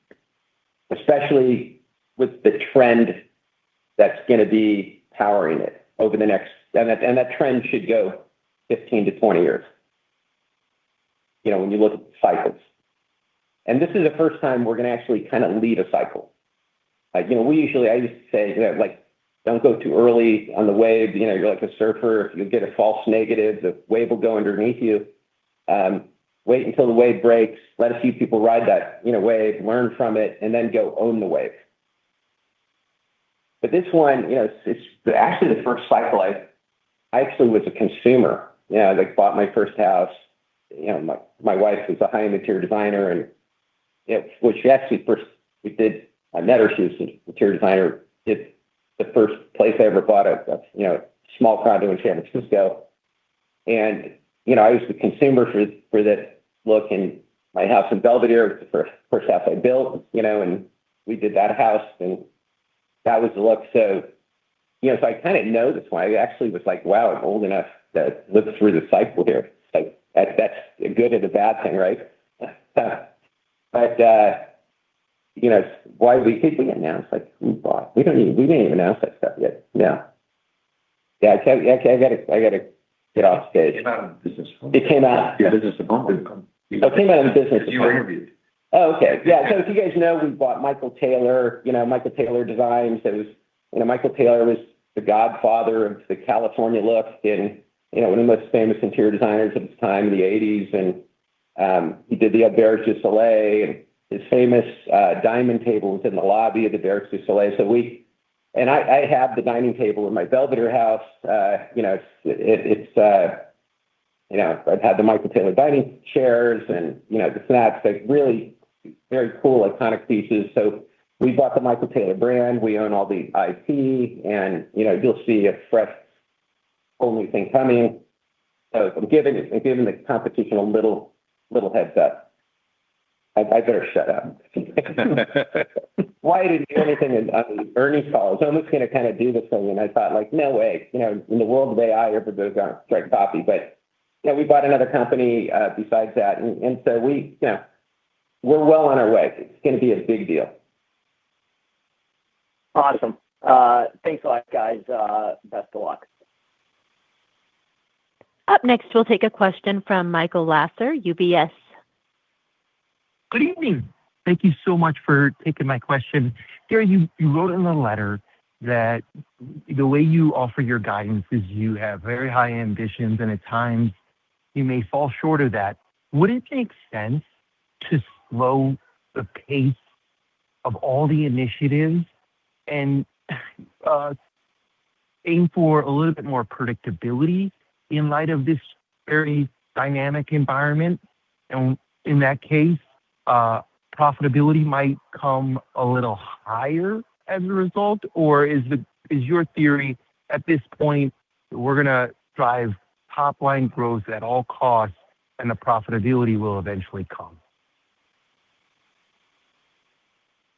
especially with the trend that's going to be powering it over the next, and that trend should go 15 years - 20 years when you look at the cycles. And this is the first time we're going to actually kind of lead a cycle. I used to say, "Don't go too early on the wave. You're like a surfer. If you get a false negative, the wave will go underneath you. Wait until the wave breaks. Let a few people ride that wave, learn from it, and then go own the wave." But this one, it's actually the first cycle. I actually was a consumer. I bought my first house. My wife was a high-end interior designer. And when she actually first I met her. She was an interior designer. The first place I ever bought it, a small condo in San Francisco. And I was the consumer for that look. And my house in Belvedere, it was the first house I built. And we did that house, and that was the look. So I kind of know this one. I actually was like, "Wow, I'm old enough to live through the cycle here." That's a good and a bad thing, right? But why did we announce? We bought. We didn't even announce that stuff yet. Yeah. Yeah. Okay. I got to get off stage. It came out of business. Oh, okay. Yeah. So if you guys know, we bought Michael Taylor, Michael Taylor Designs. Michael Taylor was the godfather of the California look and one of the most famous interior designers of the time in the '80s. And he did the Auberge du Soleil. And his famous diamond table was in the lobby of the Auberge du Soleil. And I have the dining table in my Belvedere house. It's. I've had the Michael Taylor dining chairs and the sacks, really very cool iconic pieces. So we bought the Michael Taylor brand. We own all the IP. And you'll see a fresh, whole new thing coming. So I'm giving the competition a little heads-up. I better shut up. Why didn't you do anything? Ernie called. I was almost going to kind of do this thing. And I thought, "No way. In the world of AI, everybody's going to drink coffee." But we bought another company besides that. And so we're well on our way. It's going to be a big deal. Awesome. Thanks a lot, guys. Best of luck. Up next, we'll take a question from Michael Lasser, UBS. Good evening. Thank you so much for taking my question. Gary, you wrote in the letter that the way you offer your guidance is you have very high ambitions, and at times, you may fall short of that. Would it make sense to slow the pace of all the initiatives and aim for a little bit more predictability in light of this very dynamic environment? And in that case, profitability might come a little higher as a result. Or is your theory at this point that we're going to drive top-line growth at all costs, and the profitability will eventually come?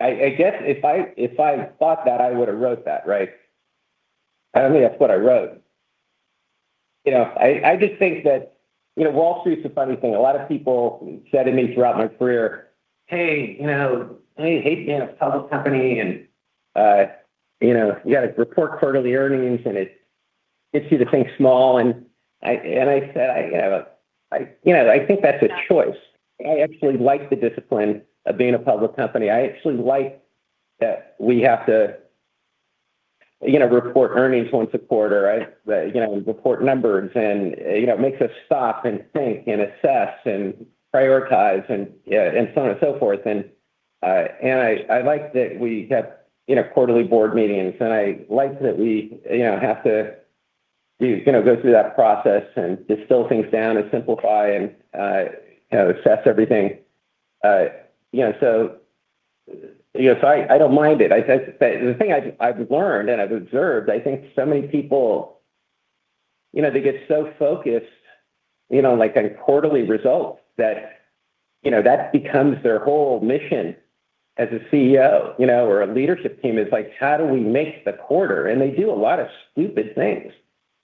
I guess if I thought that, I would have wrote that, right? I mean, that's what I wrote. I just think that Wall Street's a funny thing. A lot of people said to me throughout my career, "Hey, I hate being a public company. And you got to report quarterly earnings, and it gets you to think small." And I said, "I think that's a choice." I actually like the discipline of being a public company. I actually like that we have to report earnings once a quarter, right, report numbers. And it makes us stop and think and assess and prioritize and so on and so forth. And I like that we have quarterly board meetings. And I like that we have to go through that process and distill things down and simplify and assess everything. So I don't mind it. The thing I've learned and I've observed, I think so many people, they get so focused on quarterly results that that becomes their whole mission as a CEO or a leadership team. It's like, "How do we make the quarter?" And they do a lot of stupid things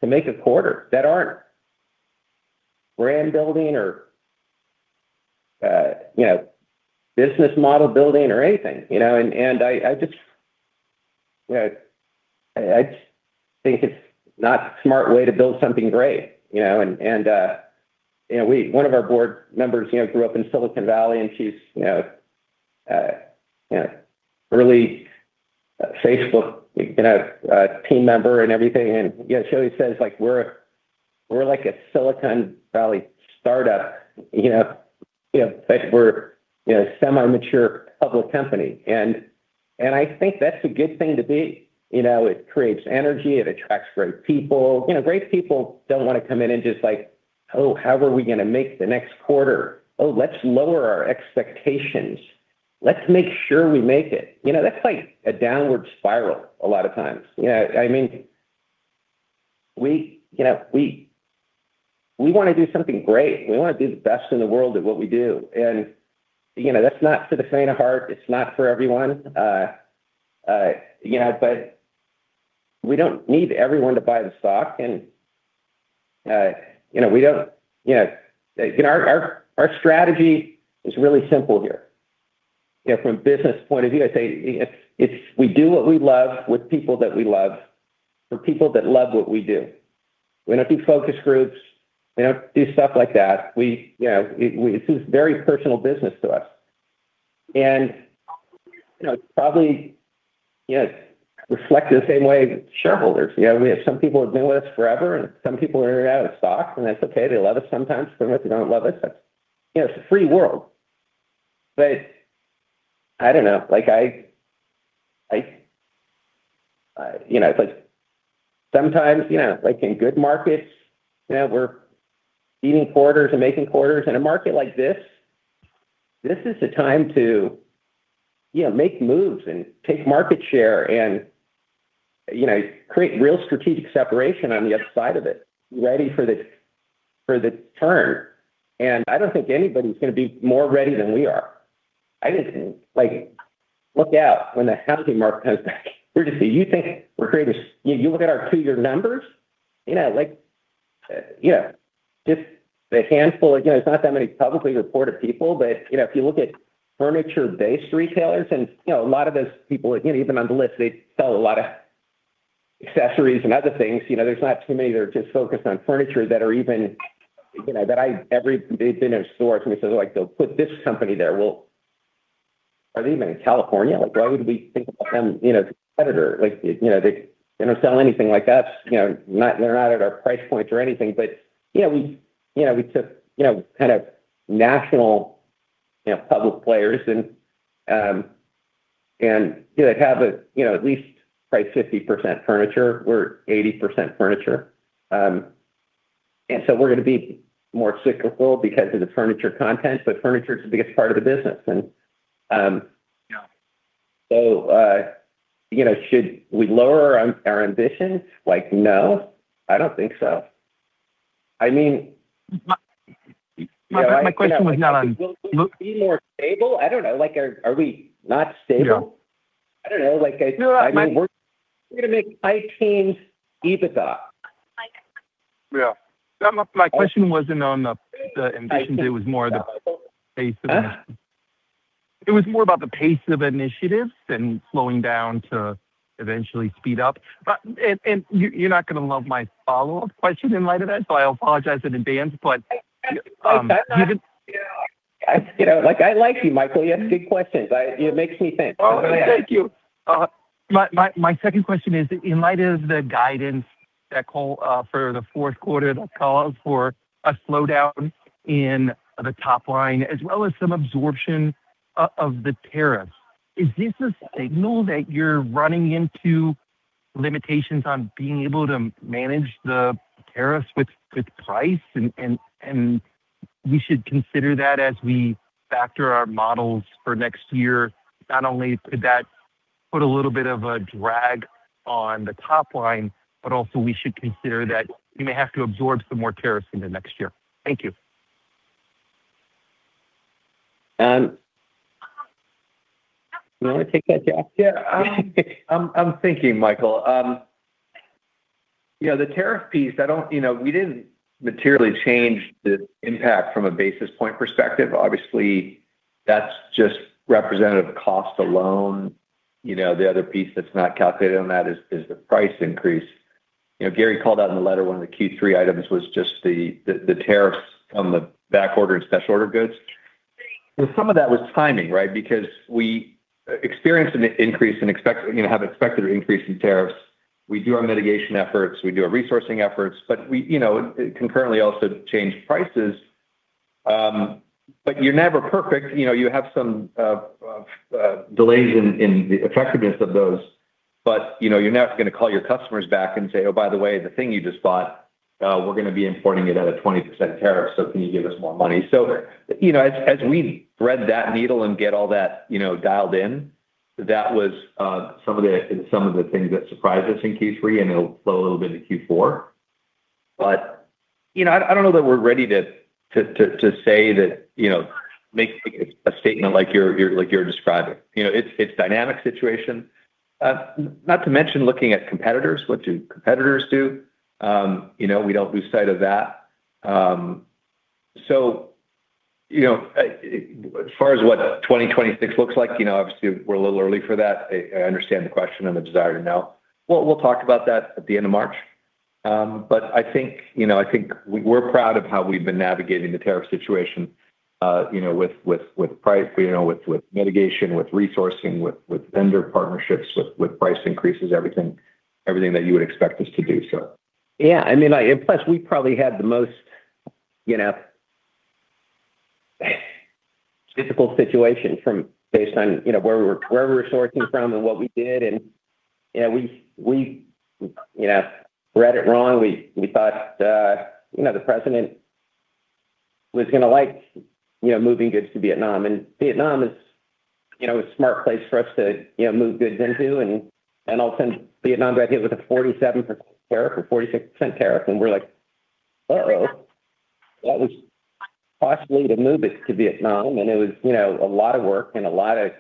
to make a quarter that aren't brand building or business model building or anything. And I just think it's not a smart way to build something great. And one of our board members grew up in Silicon Valley, and she's an early Facebook team member and everything. And she always says, "We're like a Silicon Valley startup. We're a semi-mature public company." And I think that's a good thing to be. It creates energy. It attracts great people. Great people don't want to come in and just like, "Oh, how are we going to make the next quarter? Oh, let's lower our expectations. Let's make sure we make it." That's like a downward spiral a lot of times. I mean, we want to do something great. We want to be the best in the world at what we do, and that's not for the faint of heart. It's not for everyone, but we don't need everyone to buy the stock, and we don't. Our strategy is really simple here. From a business point of view, I say we do what we love with people that we love, for people that love what we do. We don't do focus groups. We don't do stuff like that. This is very personal business to us, and it probably reflects the same way shareholders. We have some people who have been with us forever, and some people are out of stock. And that's okay. They love us sometimes. Some of us don't love us. It's a free world. But I don't know. Sometimes, in good markets, we're eating quarters and making quarters. In a market like this, this is the time to make moves and take market share and create real strategic separation on the other side of it, ready for the turn. And I don't think anybody's going to be more ready than we are. I didn't look out when the housing market comes back. We're just - you think we're creating this - you look at our two-year numbers, just the handful. It's not that many publicly reported people. But if you look at furniture-based retailers, and a lot of those people, even on the list, they sell a lot of accessories and other things. There's not too many that are just focused on furniture that are even—that they've been in stores and they say, "Look, they'll put this company there." Well, are they even in California? Why would we think about them as a competitor? They don't sell anything like that. They're not at our price point or anything. But we took kind of national public players and have at least 50% furniture. We're 80% furniture. And so we're going to be more cyclical because of the furniture content. But furniture is the biggest part of the business. And so should we lower our ambitions? No. I don't think so. I mean, my question was not on—be more stable? I don't know. Are we not stable? I don't know. I mean, we're going to make high teens EBITDA. Yeah. My question wasn't on the ambitions. It was more the pace of—it was more about the pace of initiatives than slowing down to eventually speed up. And you're not going to love my follow-up question in light of that, so I apologize in advance. But given—I like you, Michael. You have good questions. It makes me think. Thank you. My second question is, in light of the guidance for the fourth quarter that calls for a slowdown in the top line as well as some absorption of the tariffs, is this a signal that you're running into limitations on being able to manage the tariffs with price? And we should consider that as we factor our models for next year. Not only could that put a little bit of a drag on the top line, but also we should consider that we may have to absorb some more tariffs in the next year. Thank you. You want to take that, Jack? Yeah. I'm thinking, Michael. Yeah. The tariff piece, we didn't materially change the impact from a basis point perspective. Obviously, that's just representative cost alone. The other piece that's not calculated on that is the price increase. Gary called out in the letter one of the Q3 items was just the tariffs on the backorder and special order goods. Some of that was timing, right? Because we experienced an increase in expected, have expected an increase in tariffs. We do our mitigation efforts. We do our resourcing efforts. But we concurrently also change prices. But you're never perfect. You have some delays in the effectiveness of those. But you're never going to call your customers back and say, "Oh, by the way, the thing you just bought, we're going to be importing it at a 20% tariff, so can you give us more money?" So as we thread that needle and get all that dialed in, that was some of the things that surprised us in Q3, and it'll slow a little bit in Q4. But I don't know that we're ready to say that make a statement like you're describing. It's a dynamic situation. Not to mention looking at competitors, what do competitors do? We don't lose sight of that. So as far as what 2026 looks like, obviously, we're a little early for that. I understand the question and the desire to know. We'll talk about that at the end of March. But I think we're proud of how we've been navigating the tariff situation with price, with mitigation, with resourcing, with vendor partnerships, with price increases, everything that you would expect us to do, so. Yeah. I mean, and plus, we probably had the most difficult situation based on where we were sourcing from and what we did. And we read it wrong. We thought the President was going to like moving goods to Vietnam. And Vietnam is a smart place for us to move goods into. And all of a sudden, Vietnam got hit with a 47% tariff or 46% tariff. And we're like, "Uh-oh." That was costly to move it to Vietnam. And it was a lot of work and a lot of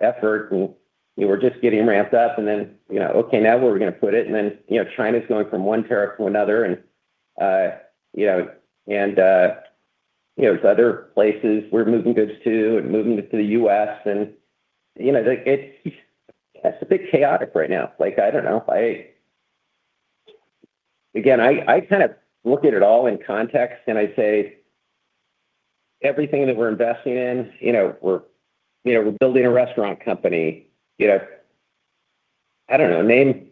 effort. And we were just getting ramped up. And then, "Okay. Now, where are we going to put it?" And then China's going from one tariff to another. And there's other places we're moving goods to and moving it to the U.S. And that's a bit chaotic right now. I don't know. Again, I kind of look at it all in context, and I say, "Everything that we're investing in, we're building a restaurant company." I don't know. Name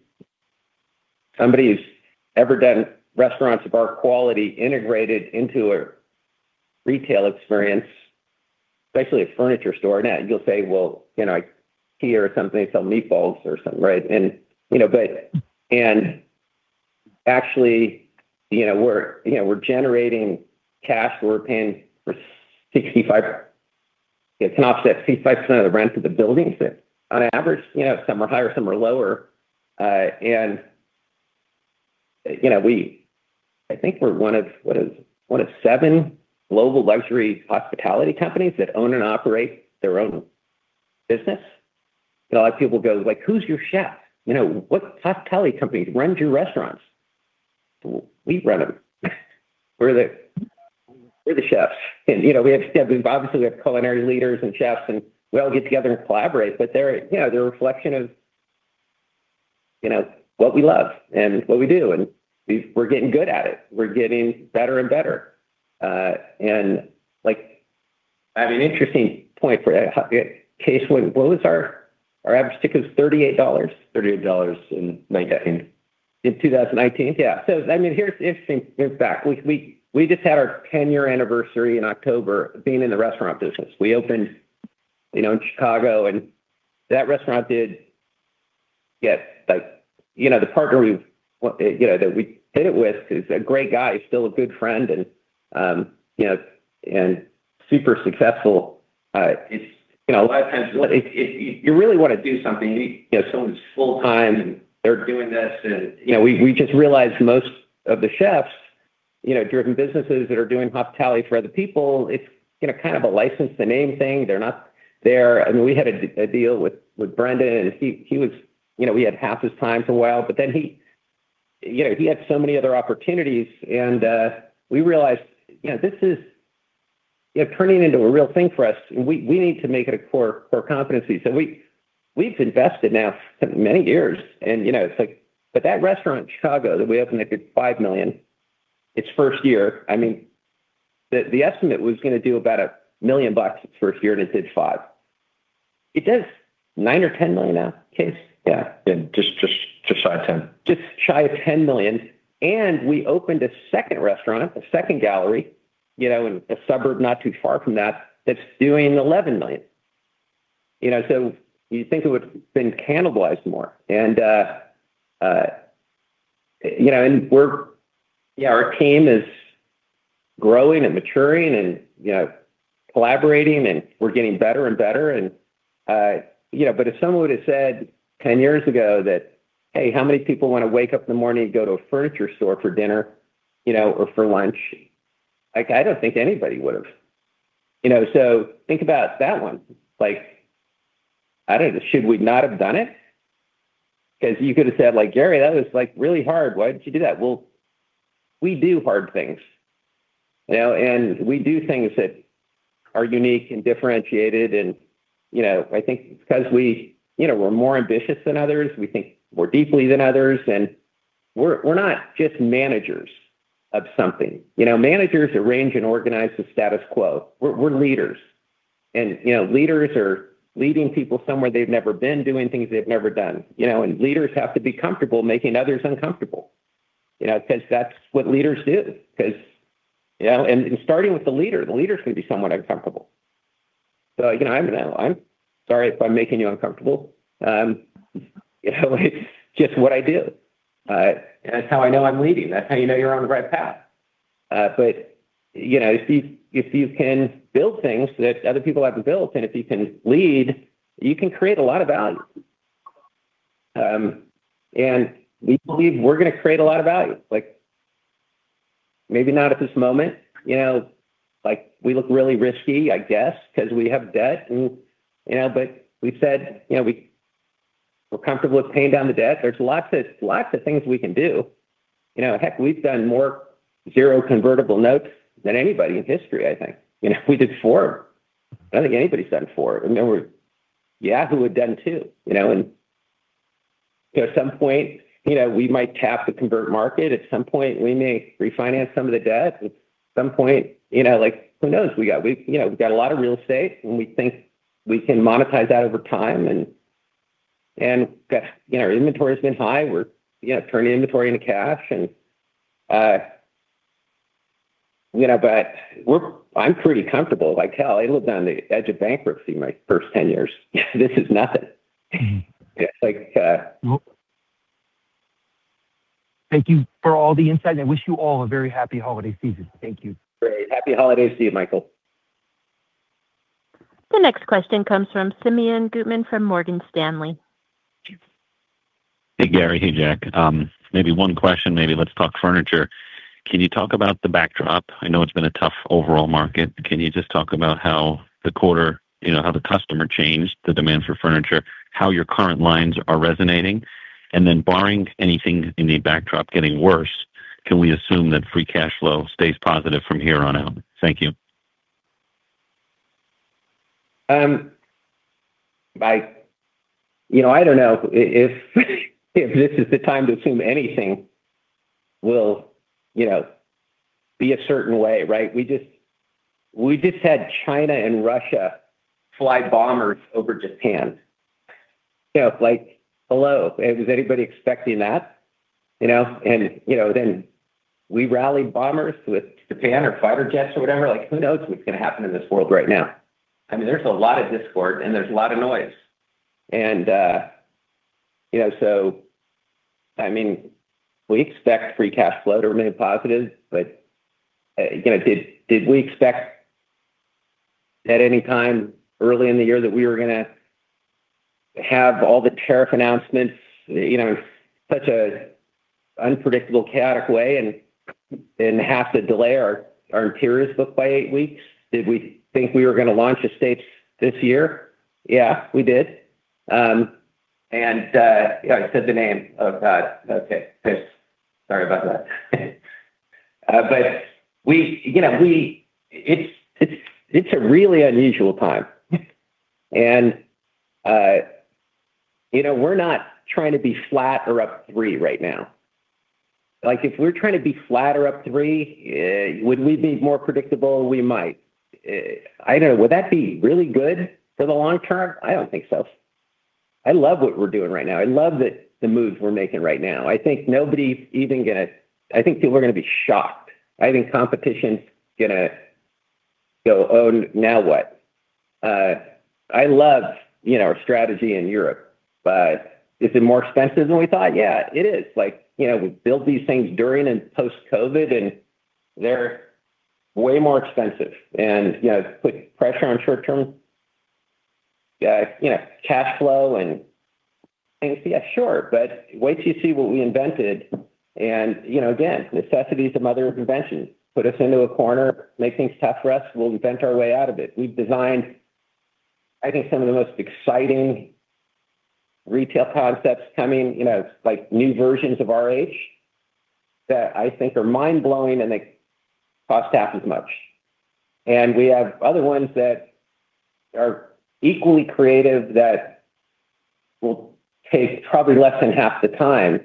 somebody who's ever done restaurants of our quality integrated into a retail experience, especially a furniture store. Now, you'll say, "Well, I hear something. They sell meatballs or something, right?" And actually, we're generating cash. We're paying for 65%. It's an offset. 65% of the rent of the buildings, on average. Some are higher. Some are lower. And I think we're one of what is one of seven global luxury hospitality companies that own and operate their own business. But a lot of people go, "Who's your chef? What hospitality company runs your restaurants?" We run them. We're the chefs. And obviously, we have culinary leaders and chefs, and we all get together and collaborate. But they're a reflection of what we love and what we do. And we're getting good at it. We're getting better and better. And I have an interesting point for that. Case Wynne, our average ticket was $38. $38 in 2019. In 2019, yeah. So I mean, here's the interesting fact. We just had our 10-year anniversary in October of being in the restaurant business. We opened in Chicago. And that restaurant did get the partner that we did it with is a great guy, still a good friend, and super successful. A lot of times, you really want to do something. Someone's full-time, and they're doing this. And we just realized most of the chefs driven businesses that are doing hospitality for other people, it's kind of a license-to-name thing. They're not there. I mean, we had a deal with Brendan, and he was we had half his time for a while. But then he had so many other opportunities. And we realized this is turning into a real thing for us. And we need to make it a core competency. So we've invested now for many years. And it's like, "But that restaurant in Chicago that we opened, they did $5 million. Its first year." I mean, the estimate was going to do about $1 million its first year, and it did $5 million. It does $9 million or $10 million now, Case? Yeah. Yeah. Just shy of $10 million. Just shy of $10 million. And we opened a second restaurant, a second gallery in a suburb not too far from that that's doing $11 million. So you'd think it would have been cannibalized more. And our team is growing and maturing and collaborating, and we're getting better and better. But if someone would have said 10 years ago that, "Hey, how many people want to wake up in the morning and go to a furniture store for dinner or for lunch?" I don't think anybody would have. So think about that one. I don't know. Should we not have done it? Because you could have said, "Gary, that was really hard. Why didn't you do that?" Well, we do hard things. And we do things that are unique and differentiated. And I think because we're more ambitious than others, we think more deeply than others. And we're not just managers of something. Managers arrange and organize the status quo. We're leaders. And leaders are leading people somewhere they've never been, doing things they've never done. And leaders have to be comfortable making others uncomfortable because that's what leaders do. And starting with the leader, the leader's going to be somewhat uncomfortable. So I'm sorry if I'm making you uncomfortable. It's just what I do. That's how I know I'm leading. That's how you know you're on the right path. But if you can build things that other people haven't built, and if you can lead, you can create a lot of value. And we believe we're going to create a lot of value. Maybe not at this moment. We look really risky, I guess, because we have debt. But we've said we're comfortable with paying down the debt. There's lots of things we can do. Heck, we've done more zero-convertible notes than anybody in history, I think. We did four. I don't think anybody's done four. Yahoo had done two. And at some point, we might tap the convert market. At some point, we may refinance some of the debt. At some point, who knows? We've got a lot of real estate, and we think we can monetize that over time. And our inventory has been high. We're turning inventory into cash. But I'm pretty comfortable. Hell, I lived on the edge of bankruptcy my first 10 years. This is nothing. Thank you for all the insight. I wish you all a very happy holiday season. Thank you. Great. Happy holidays to you, Michael. The next question comes from Simeon Gutman from Morgan Stanley. Hey, Gary. Hey, Jack. Maybe one question. Maybe let's talk furniture. Can you talk about the backdrop? I know it's been a tough overall market. Can you just talk about how the quarter, how the customer changed, the demand for furniture, how your current lines are resonating? And then barring anything in the backdrop getting worse, can we assume that free cash flow stays positive from here on out? Thank you. I don't know if this is the time to assume anything will be a certain way, right? We just had China and Russia fly bombers over Japan. Like, "Hello. Was anybody expecting that?" And then we rallied bombers with Japan or fighter jets or whatever. Who knows what's going to happen in this world right now? I mean, there's a lot of discord, and there's a lot of noise. And so I mean, we expect free cash flow to remain positive. But did we expect at any time early in the year that we were going to have all the tariff announcements in such an unpredictable chaotic way and have to delay our Interiors book by eight weeks? Did we think we were going to launch Estates this year? Yeah, we did. And I said the name. Oh, God. Okay. Sorry about that. But it's a really unusual time. And we're not trying to be flat or up three right now. If we're trying to be flat or up three, would we be more predictable? We might. I don't know. Would that be really good for the long term? I don't think so. I love what we're doing right now. I love the moves we're making right now. I think people are going to be shocked. I think competition's going to go, "Oh, now what?" I love our strategy in Europe, but is it more expensive than we thought? Yeah, it is. We built these things during and post-COVID, and they're way more expensive, and put pressure on short-term cash flow and things. Yeah, sure, but wait till you see what we invented, and again, necessity is a mother of invention. Put us into a corner, make things tough for us. We'll invent our way out of it. We've designed, I think, some of the most exciting retail concepts coming, like new versions of RH that I think are mind-blowing, and they cost half as much, and we have other ones that are equally creative that will take probably less than half the time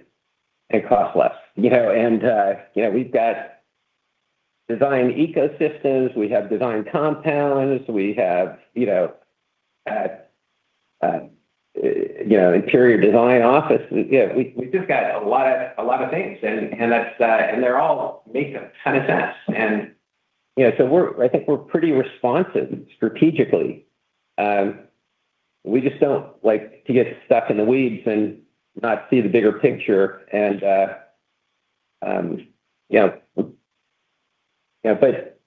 and cost less, and we've got design ecosystems. We have design compounds. We have interior design offices. We've just got a lot of things, and they all make a ton of sense, and so I think we're pretty responsive strategically. We just don't like to get stuck in the weeds and not see the bigger picture, but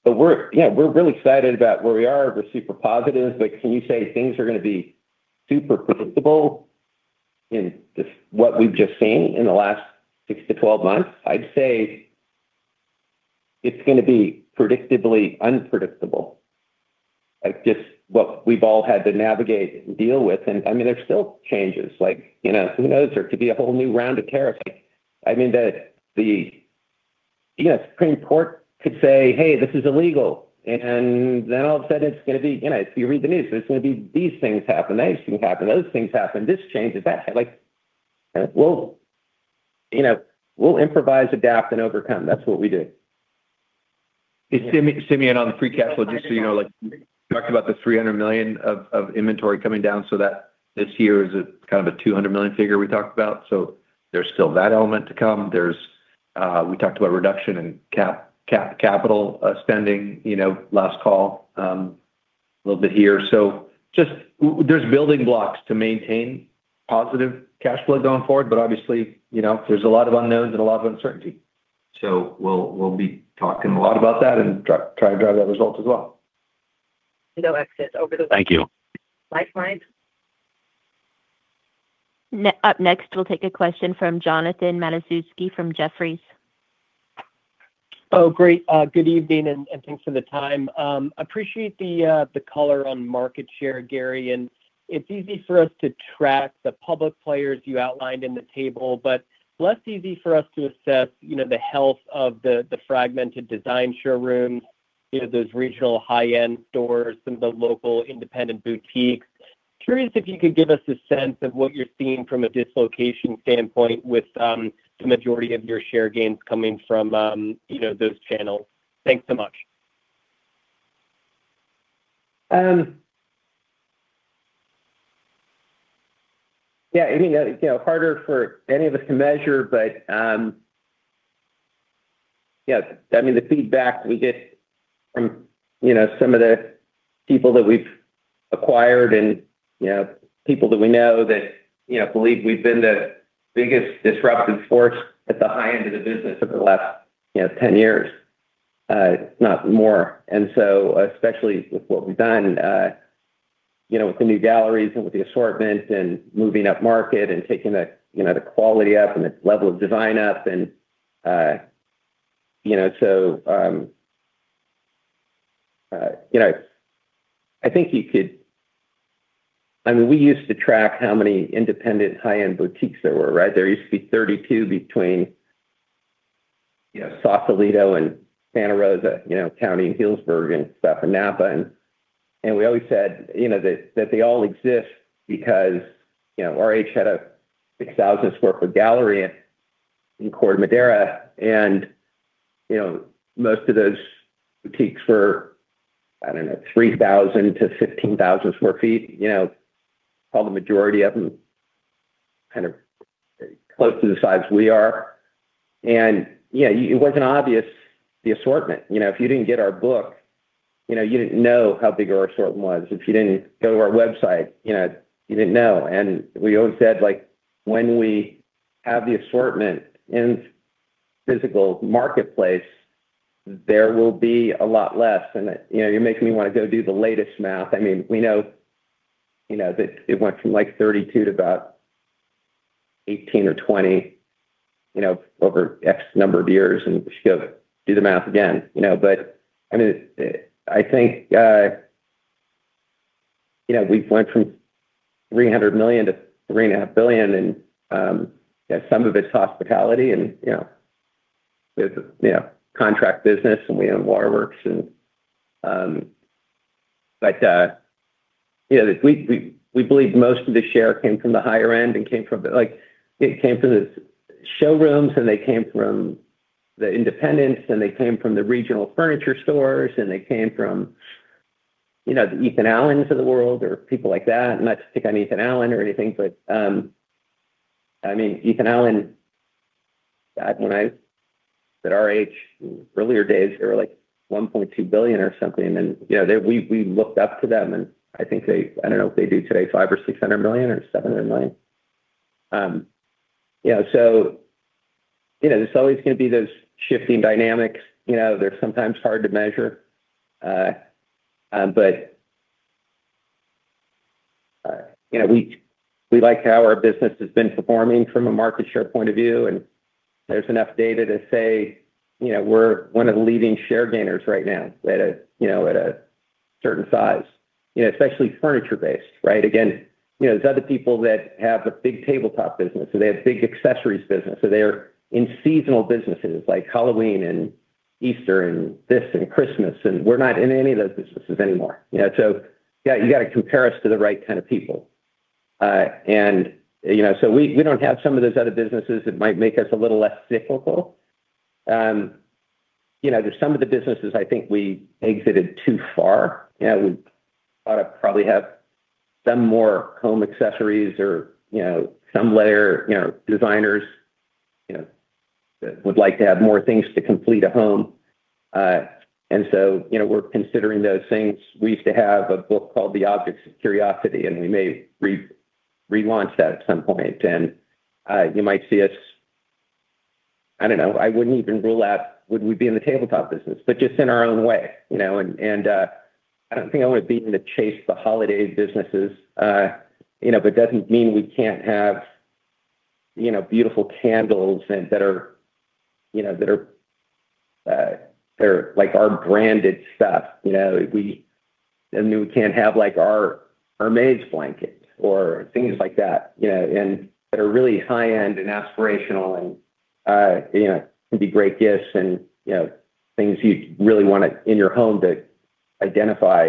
we're really excited about where we are. We're super positive, but can you say things are going to be super predictable in what we've just seen in the last 6 to 12 months? I'd say it's going to be predictably unpredictable, just what we've all had to navigate and deal with. And I mean, there's still changes. Who knows? There could be a whole new round of tariffs. I mean, the Supreme Court could say, "Hey, this is illegal," and then all of a sudden, it's going to be if you read the news, there's going to be these things happen. Those things happen. Those things happen. This changes. Well, we'll improvise, adapt, and overcome. That's what we do. Simeon on the free cash flow, just so you know, talked about the $300 million of inventory coming down. So this year is kind of a $200 million figure we talked about. So there's still that element to come. We talked about reduction in capital spending last call a little bit here. So there's building blocks to maintain positive cash flow going forward. But obviously, there's a lot of unknowns and a lot of uncertainty. So we'll be talking a lot about that and try to drive that result as well. No exit over the way. Thank you. Thanks guys. Up next, we'll take a question from Jonathan Matuszewski from Jefferies. Oh, great. Good evening, and thanks for the time. I appreciate the color on market share, Gary. It's easy for us to track the public players you outlined in the table, but less easy for us to assess the health of the fragmented design showrooms, those regional high-end stores, some of the local independent boutiques. Curious if you could give us a sense of what you're seeing from a dislocation standpoint with the majority of your share gains coming from those channels. Thanks so much. Yeah. I mean, harder for any of us to measure, but yeah. I mean, the feedback we get from some of the people that we've acquired and people that we know that believe we've been the biggest disruptive force at the high end of the business over the last 10 years, if not more. And so especially with what we've done with the new galleries and with the assortment and moving up market and taking the quality up and the level of design up. And so I think you could I mean, we used to track how many independent high-end boutiques there were, right? There used to be 32 between Sausalito and Sonoma County in Healdsburg and Southern Napa. And we always said that they all exist because RH had a 6,000 sq ft gallery in Corte Madera. And most of those boutiques were, I don't know, 3,000-15,000 sq ft. Probably the majority of them kind of close to the size we are. And it wasn't obvious the assortment. If you didn't get our book, you didn't know how big our assortment was. If you didn't go to our website, you didn't know. And we always said, "When we have the assortment in physical marketplace, there will be a lot less." And you're making me want to go do the latest math. I mean, we know that it went from like 32 to about 18 or 20 over X number of years. And if you go do the math again. But I mean, I think we've went from $300 million to $3.5 billion. And some of it's hospitality and contract business, and we own Waterworks. But we believe most of the share came from the higher end and came from the showrooms, and they came from the independents, and they came from the regional furniture stores, and they came from the Ethan Allen of the world or people like that. I'm not to pick on Ethan Allen or anything, but I mean, Ethan Allen, when I was at RH in earlier days, they were like $1.2 billion or something. And then we looked up to them. And I think they (I don't know if they do today) $500 million or $600 million or $700 million. So there's always going to be those shifting dynamics. They're sometimes hard to measure. But we like how our business has been performing from a market share point of view. And there's enough data to say we're one of the leading share gainers right now at a certain size, especially furniture-based, right? Again, there's other people that have a big tabletop business, or they have a big accessories business, or they're in seasonal businesses like Halloween and Easter and this and Christmas. And we're not in any of those businesses anymore. So you got to compare us to the right kind of people. And so we don't have some of those other businesses that might make us a little less cyclical. There's some of the businesses I think we exited too far. We ought to probably have some more home accessories or some layer designers that would like to have more things to complete a home. And so we're considering those things. We used to have a book called The Objects of Curiosity, and we may relaunch that at some point. And you might see us, I don't know. I wouldn't even rule out would we be in the tabletop business, but just in our own way. And I don't think I want to be in the chase for holiday businesses. But it doesn't mean we can't have beautiful candles that are like our branded stuff. And we can't have our Hermès blanket or things like that that are really high-end and aspirational and can be great gifts and things you really want in your home that identify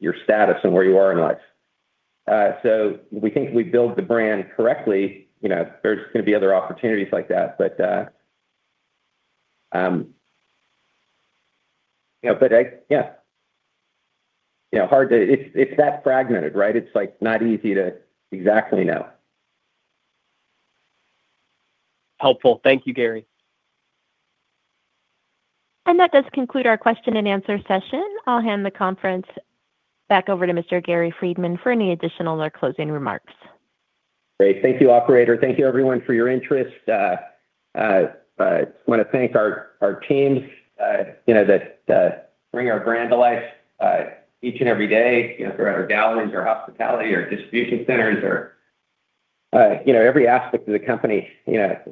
your status and where you are in life. So we think we build the brand correctly. There's going to be other opportunities like that. But yeah, it's that fragmented, right? It's not easy to exactly know. Helpful. Thank you, Gary. And that does conclude our question and answer session. I'll hand the conference back over to Mr. Gary Friedman for any additional or closing remarks. Great. Thank you, operator. Thank you, everyone, for your interest. I want to thank our teams that bring our brand to life each and every day throughout our galleries, our hospitality, our distribution centers, or every aspect of the company.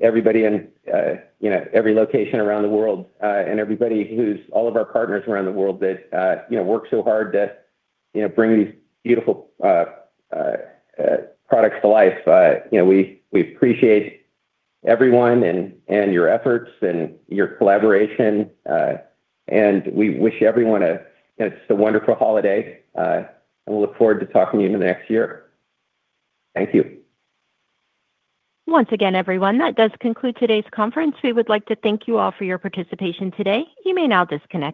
Everybody in every location around the world and everybody who's all of our partners around the world that work so hard to bring these beautiful products to life. We appreciate everyone and your efforts and your collaboration. And we wish everyone a wonderful holiday. And we look forward to talking to you in the next year. Thank you. Once again, everyone, that does conclude today's conference. We would like to thank you all for your participation today. You may now disconnect.